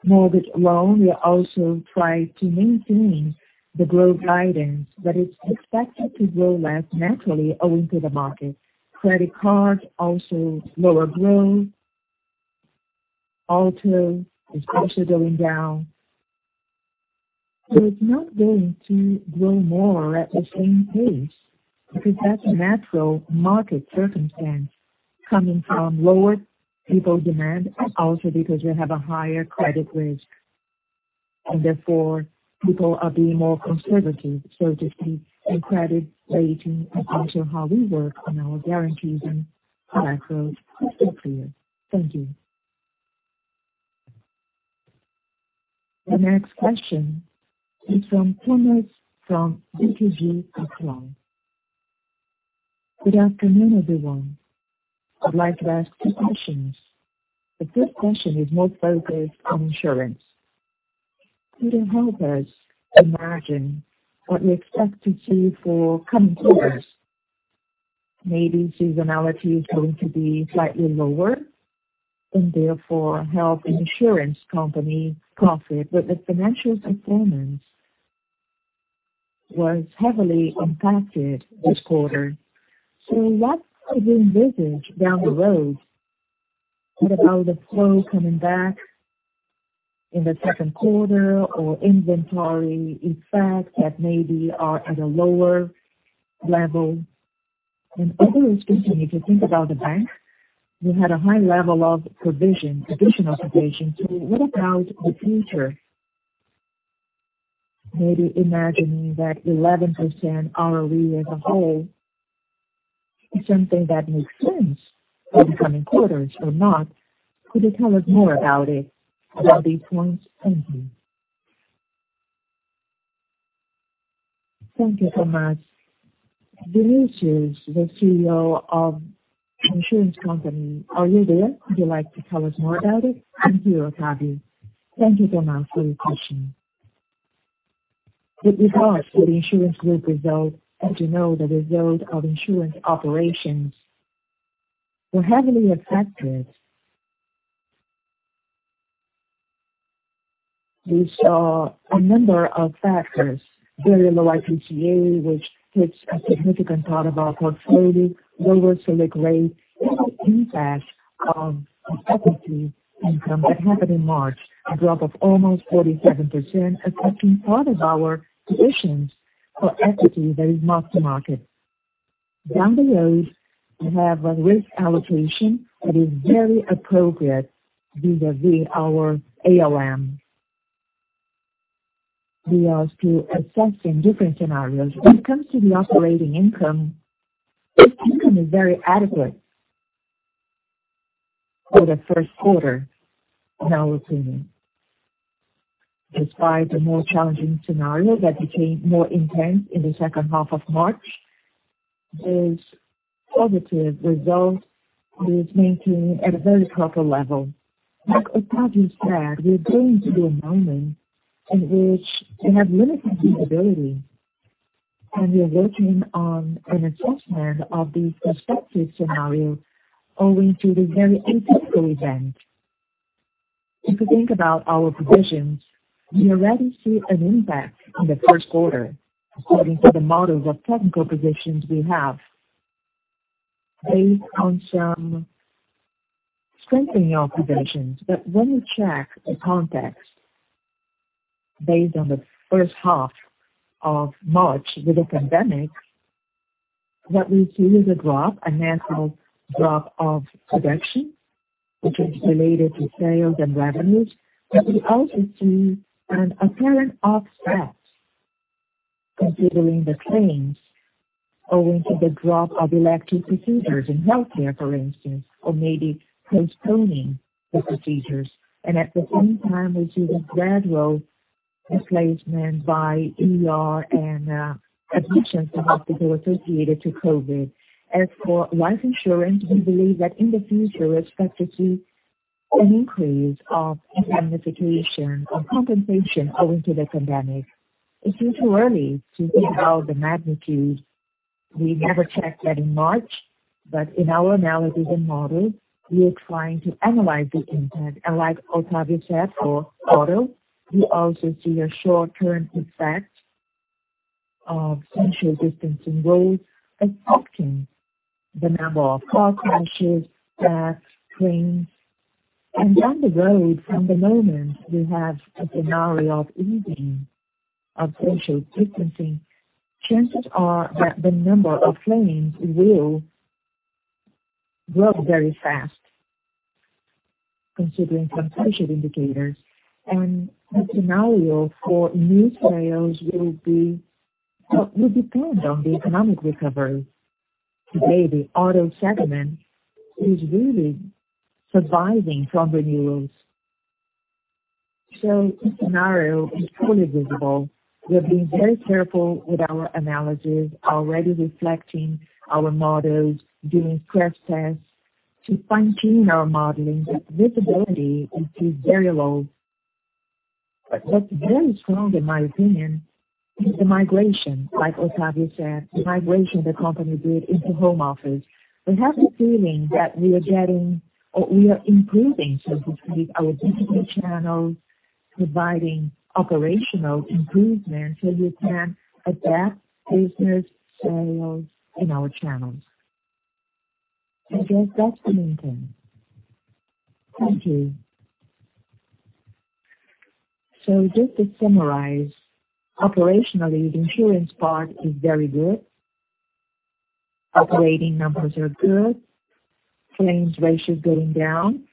Mortgage loans, we also try to maintain the growth guidance. It's expected to grow less naturally owing to the market. Credit cards, also lower growth. Auto is also going down. It's not going to grow more at the same pace because that's a natural market circumstance coming from lower people demand, also because you have a higher credit risk and therefore people are being more conservative. Just the credit rating as also how we work on our guarantees and collaterals is still clear. Thank you. The next question is from Thomas Peredo from BTG Pactual. Good afternoon, everyone. I'd like to ask two questions. The first question is more focused on insurance. Could you help us imagine what we expect to see for coming quarters? Maybe seasonality is going to be slightly lower and therefore help insurance company profit. The financial performance was heavily impacted this quarter. What's the new business down the road about the flow coming back in the second quarter or inventory effects that maybe are at a lower level? Other institution, if you think about the bank, you had a high level of additional provisions. What about the future? Maybe imagining that 11% ROE as a whole is something that makes sense for the coming quarters or not. Could you tell us more about it, about these points? Thank you. Thank you so much. Vinicius is the CEO of insurance company. Are you there? Would you like to tell us more about it? Thank you, Octávio. Thank you so much for your question. With regards to the insurance group results, as you know, the results of insurance operations were heavily affected. We saw a number of factors there in the IPCA, which hits a significant part of our portfolio, lower Selic rate, impact of equity income that happened in March, a drop of almost 37%, affecting part of our positions for equity that is not mark-to-market. Down the road, we have a risk allocation that is very appropriate vis-à-vis our ALM. We ask to assess in different scenarios. When it comes to the operating income, this income is very adequate for the first quarter, in our opinion. Despite the more challenging scenario that became more intense in the second half of March, this positive result was maintained at a very proper level. Like Octávio said, we're going through a moment in which we have limited visibility, and we are working on an assessment of the prospective scenario owing to the very atypical event. If you think about our provisions, we already see an impact in the first quarter according to the models of technical provisions we have based on some strengthening our provisions. When we check the context based on the first half of March with the pandemic, what we see is a drop, a natural drop of production, which is related to sales and revenues. We also see an apparent offset considering the claims owing to the drop of elective procedures in healthcare, for instance, or maybe postponing the procedures. At the same time, we see the gradual displacement by ER and admissions to hospital associated to COVID. As for life insurance, we believe that in the future, we expect to see an increase of indemnification or compensation owing to the pandemic. It's still too early to see how the magnitude. We never checked that in March, in our analysis and model, we are trying to analyze the impact. Like Octávio said, for auto, we also see a short-term effect of social distancing rules affecting the number of car crashes, deaths, claims. Down the road, from the moment we have a scenario of easing of social distancing, chances are that the number of claims will grow very fast considering some social indicators. The scenario for new sales will depend on the economic recovery. Today, the auto segment is really surviving from renewals. The scenario is fully visible. We're being very careful with our analysis, already reflecting our models, doing stress tests to fine-tune our modeling. The visibility is still very low. What's very strong, in my opinion, is the migration, like Octávio said, the migration the company did into home office. We have the feeling that we are improving, so to speak, our digital channels, providing operational improvements so we can adapt business sales in our channels. I guess that's the main thing. Thank you. Just to summarize, operationally, the insurance part is very good. Operating numbers are good. Claims ratio is going down.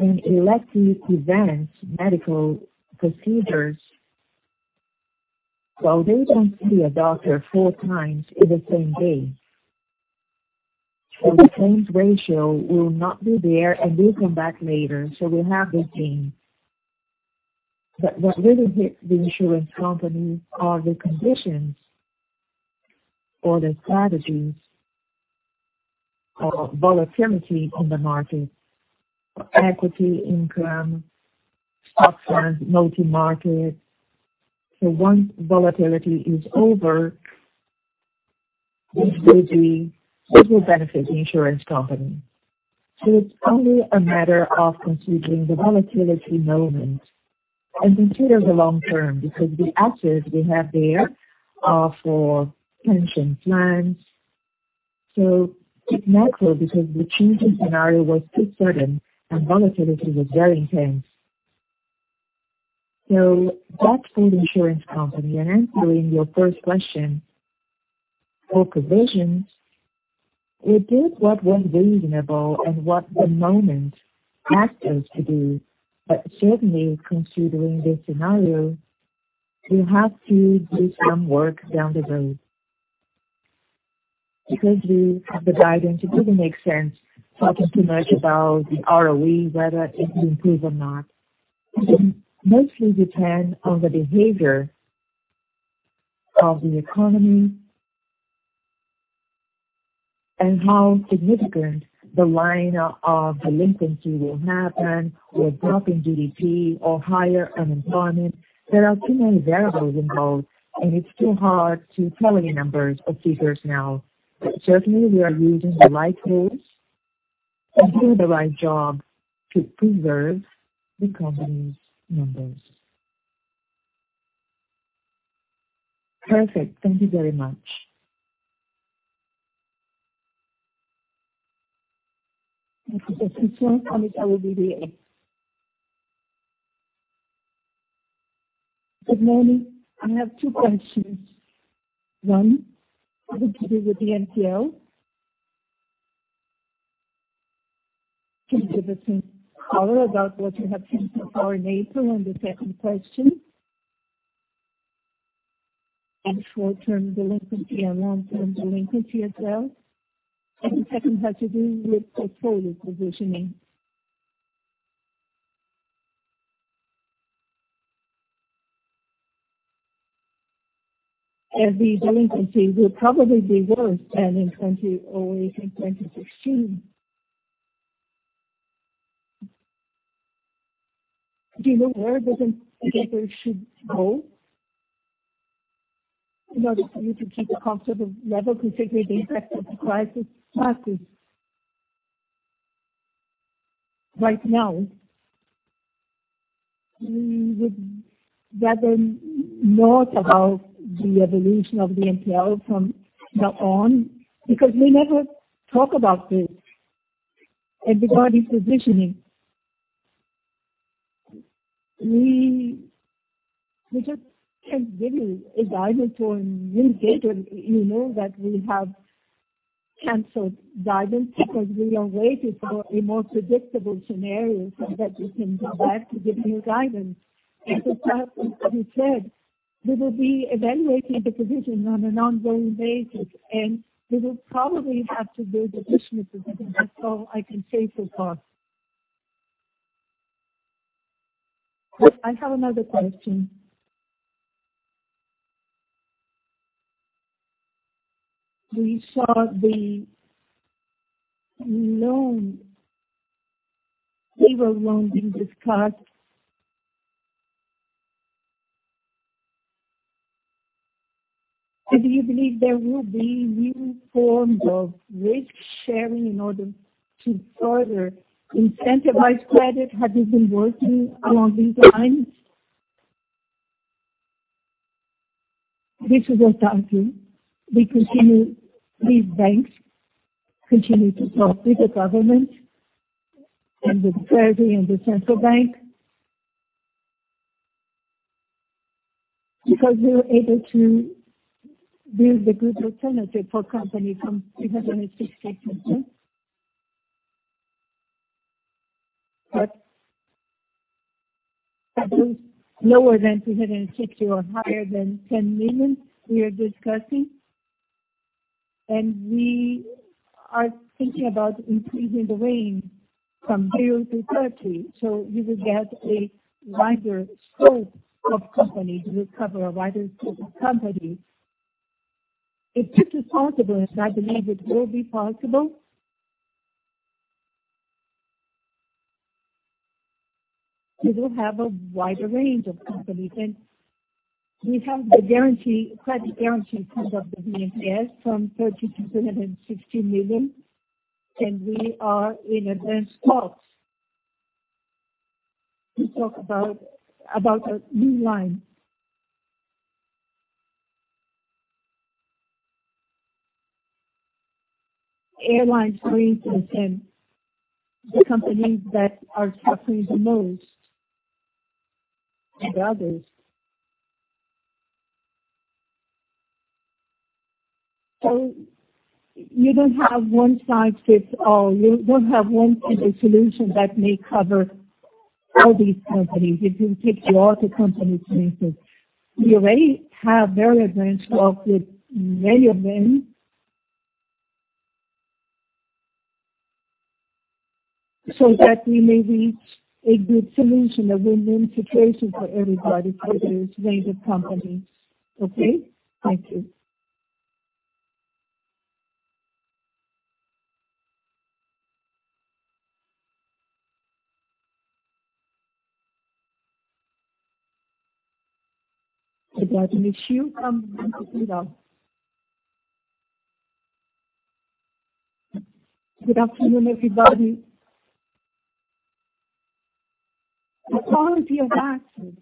Elective events, medical procedures. Well, they don't see a doctor four times in the same day. The claims ratio will not be there and will come back later. We have this gain. What really hits the insurance companies are the conditions or the strategies of volatility on the market for equity income, stocks, multi-market. Once volatility is over, which will benefit the insurance company. It's only a matter of considering the volatility moment and consider the long term, because the assets we have there are for pension plans. It's natural because the changing scenario was too sudden and volatility was very intense. That's for the insurance company and answering your first question, for provisions, we did what was reasonable and what the moment asked us to do. Certainly, considering the scenario, we have to do some work down the road. We have the guidance, it doesn't make sense talking too much about the ROE, whether it will improve or not. It will mostly depend on the behavior of the economy and how significant the line of delinquency will happen with dropping GDP or higher unemployment. There are too many variables involved, and it's too hard to tell you numbers or figures now. Certainly, we are using the right tools and doing the right job to preserve the company's numbers. Perfect. Thank you very much. Thank you. The next question comes from Marcos Assumpção of Itaú BBA. Please go ahead. Good morning. I have two questions. One has to do with the NPL. Come to the same color about what you have canceled for April and the second question on short-term delinquency and long-term delinquency as well. The second has to do with portfolio positioning. As the delinquency will probably be worse than in 2008 and 2016. Do you know where the indicator should go in order for you to keep a comfortable level considering the impact of the crisis classes? Right now, we would rather know about the evolution of the NPL from now on because we never talk about this and regarding positioning. We just can't give you a guidance or a new date. You know that we have canceled guidance because we are waiting for a more predictable scenario so that we can go back to give new guidance. As we said, we will be evaluating the provision on an ongoing basis, and we will probably have to do positioning provisions. That's all I can say so far. I have another question. We saw several loans being discussed. Do you believe there will be new forms of risk sharing in order to further incentivize credit? Have you been working along these lines? This is what I'll tell you. These banks continue to talk with the government and the treasury and the Central Bank. We were able to build a good alternative for companies from 360 million. Are those lower than 360 million or higher than 10 million we are discussing, and we are thinking about increasing the range from 0-30 million. You will get a wider scope of companies. We cover a wider scope of companies. If this is possible, as I believe it will be possible, we will have a wider range of companies. We have the credit guarantee from BNDES from 30 million-360 million, and we are in advanced talks to talk about a new line. Airlines, for instance, and the companies that are suffering the most and others. You don't have one size fits all. You don't have one single solution that may cover all these companies. It will take a lot of companies to make it. We already have very advanced talks with many of them so that we may be a good solution, a win-win situation for everybody, for these range of companies. Okay? Thank you. Our next question comes from Eduardo Nishio of Brasil Plural. Go ahead. Good afternoon, everybody. The quality of access.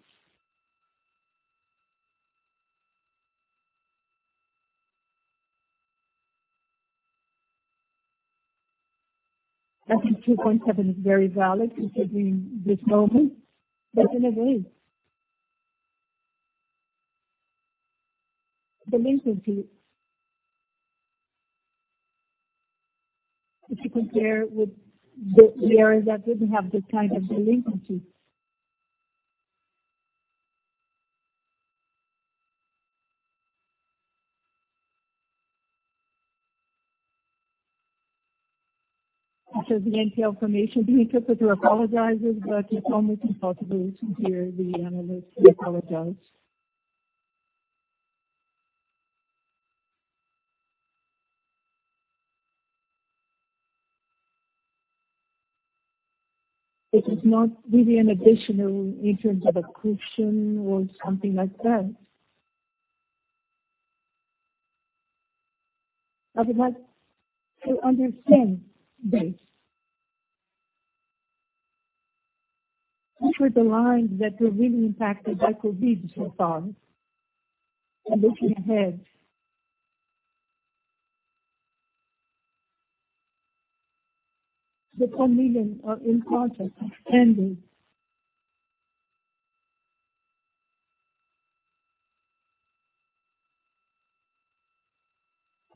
I think 2.7 is very valid considering this moment, but in a way. Delinquency. If you compare with the areas that didn't have this kind of delinquency. This is the information being put, I do apologize, but it's almost impossible to hear the analyst. I apologize. It is not really an additional in terms of accretion or something like that. I would like to understand this. These were the lines that were really impacted by COVID so far and looking ahead. The 1 million contracts are in process of extension.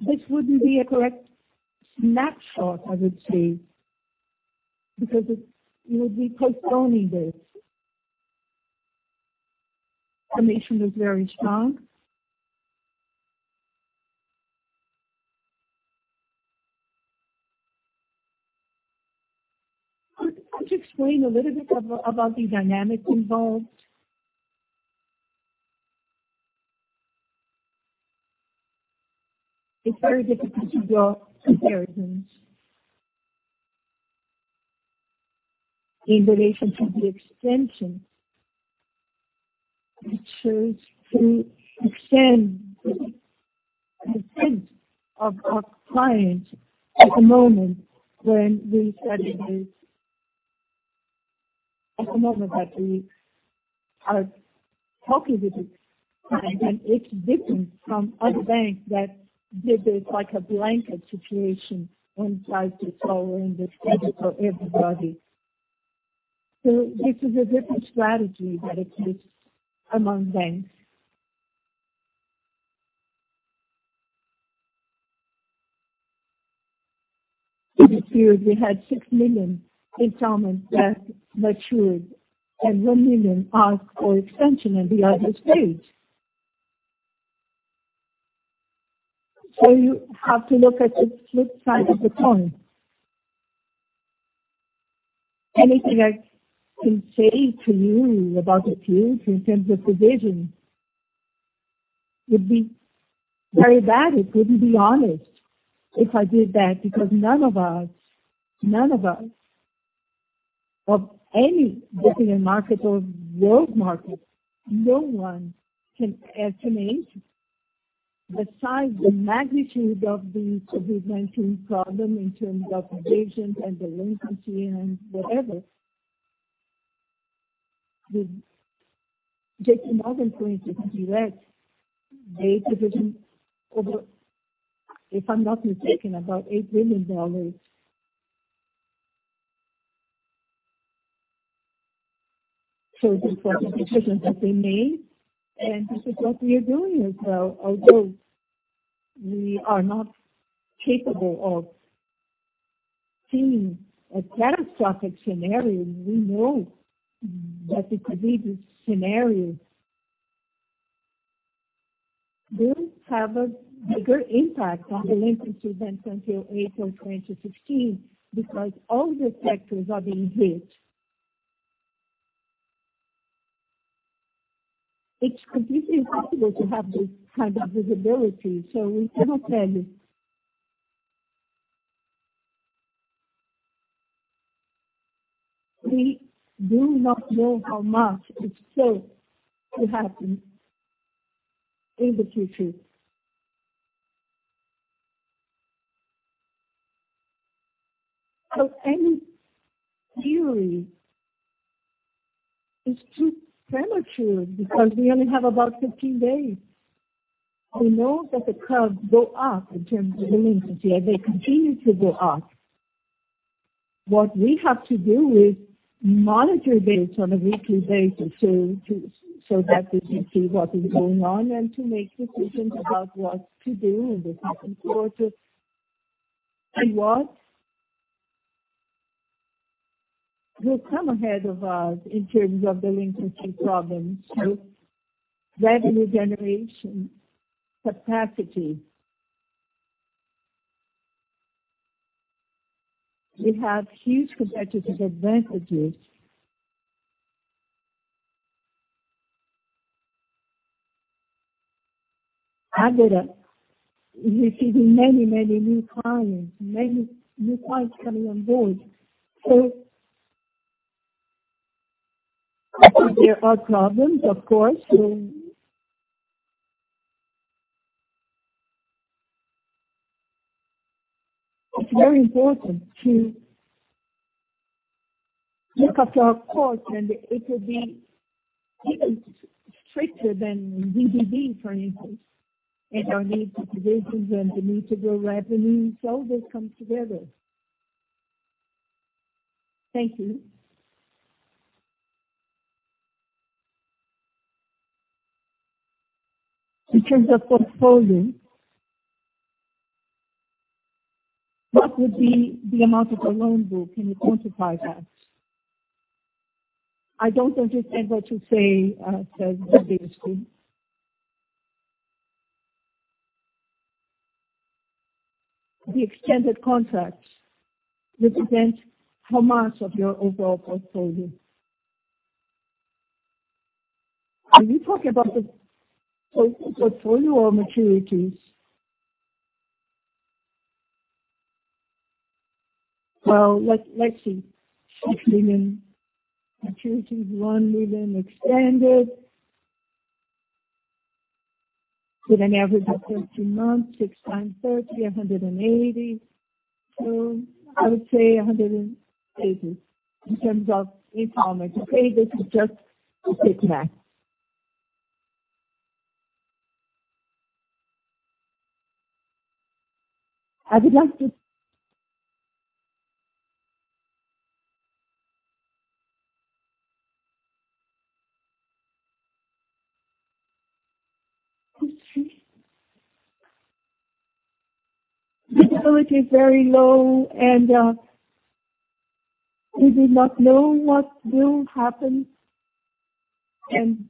This wouldn't be a correct snapshot, I would say. You would be postponing this. Information is very strong. Could you explain a little bit about the dynamics involved? It's very difficult to draw comparisons. In relation to the extension. We chose to extend the extent of our clients at the moment when we studied this. At the moment that we are talking with the client, it's different from other banks that did this like a blanket situation and tried to solve this credit for everybody. This is a different strategy that exists among banks. In this period, we had 6 million installments that matured and 1 million asked for extension and we are at this stage. You have to look at the flip side of the coin. Anything I can say to you about the future in terms of provisions would be very bad. It wouldn't be honest if I did that because none of us, of any Brazilian market or world market, no one can estimate the size, the magnitude of the provisioning problem in terms of provisions and delinquency and whatever. With JPMorgan going to direct the provision over, if I am not mistaken, about $8 billion. This was a decision that we made, and this is what we are doing as well. Although we are not capable of seeing a catastrophic scenario, we know that the COVID scenario does have a bigger impact on delinquency than until April 2016 because all the sectors are being hit. It is completely impossible to have this kind of visibility, we cannot tell you. We do not know how much is still to happen in the future. Any theory is too premature because we only have about 15 days. We know that the curves go up in terms of delinquency, they continue to go up. What we have to do is monitor this on a weekly basis so that we can see what is going on and to make decisions about what to do in the second quarter. What will come ahead of us in terms of delinquency problems with revenue generation capacity. We have huge competitive advantages. I've been receiving many new clients coming on board. Of course, there are problems. It's very important to look after our costs, and it will be even stricter than we did, for instance, and our need for provisions and the need to grow revenue. This comes together. Thank you. In terms of portfolio, what would be the amount of the loan book? Can you quantify that? I don't understand what you say, sir. Could you please repeat? The extended contracts represent how much of your overall portfolio? Are you talking about the total portfolio or maturities? Well, let's see. 6 million maturities, 1 million extended. With an average of 30 months, 6 times 30, 180 million. I would say 180 million in terms of installments. Okay, this is just to say to that. Visibility is very low, and we do not know what will happen, and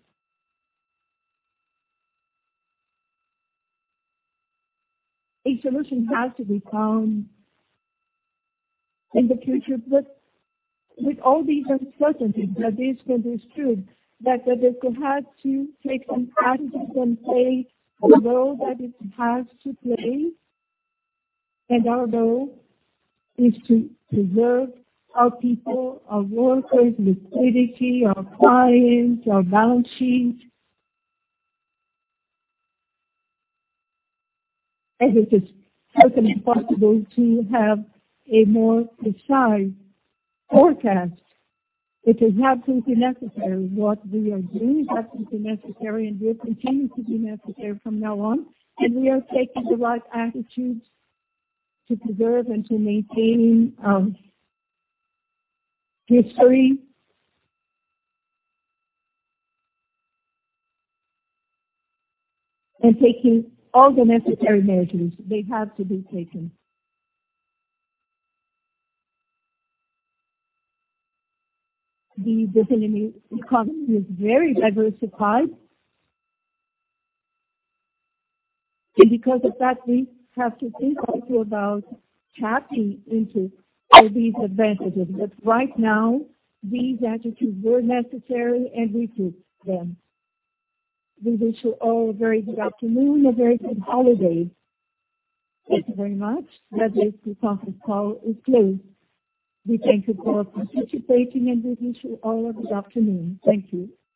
a solution has to be found in the future. With all these uncertainties, Bradesco is true that Bradesco has to take some attitudes and play the role that it has to play. Our role is to preserve our people, our workers, liquidity, our clients, our balance sheets. It is certainly possible to have a more precise forecast. It is absolutely necessary. What we are doing is absolutely necessary and will continue to be necessary from now on. We are taking the right attitudes to preserve and to maintain our history and taking all the necessary measures that have to be taken. The Brazilian economy is very diversified. Because of that, we have to think also about tapping into all these advantages. Right now, these attitudes were necessary, and we took them. We wish you all a very good afternoon, a very good holiday. Thank you very much. That is the conference call is closed. We thank you for participating, and we wish you all a good afternoon. Thank you.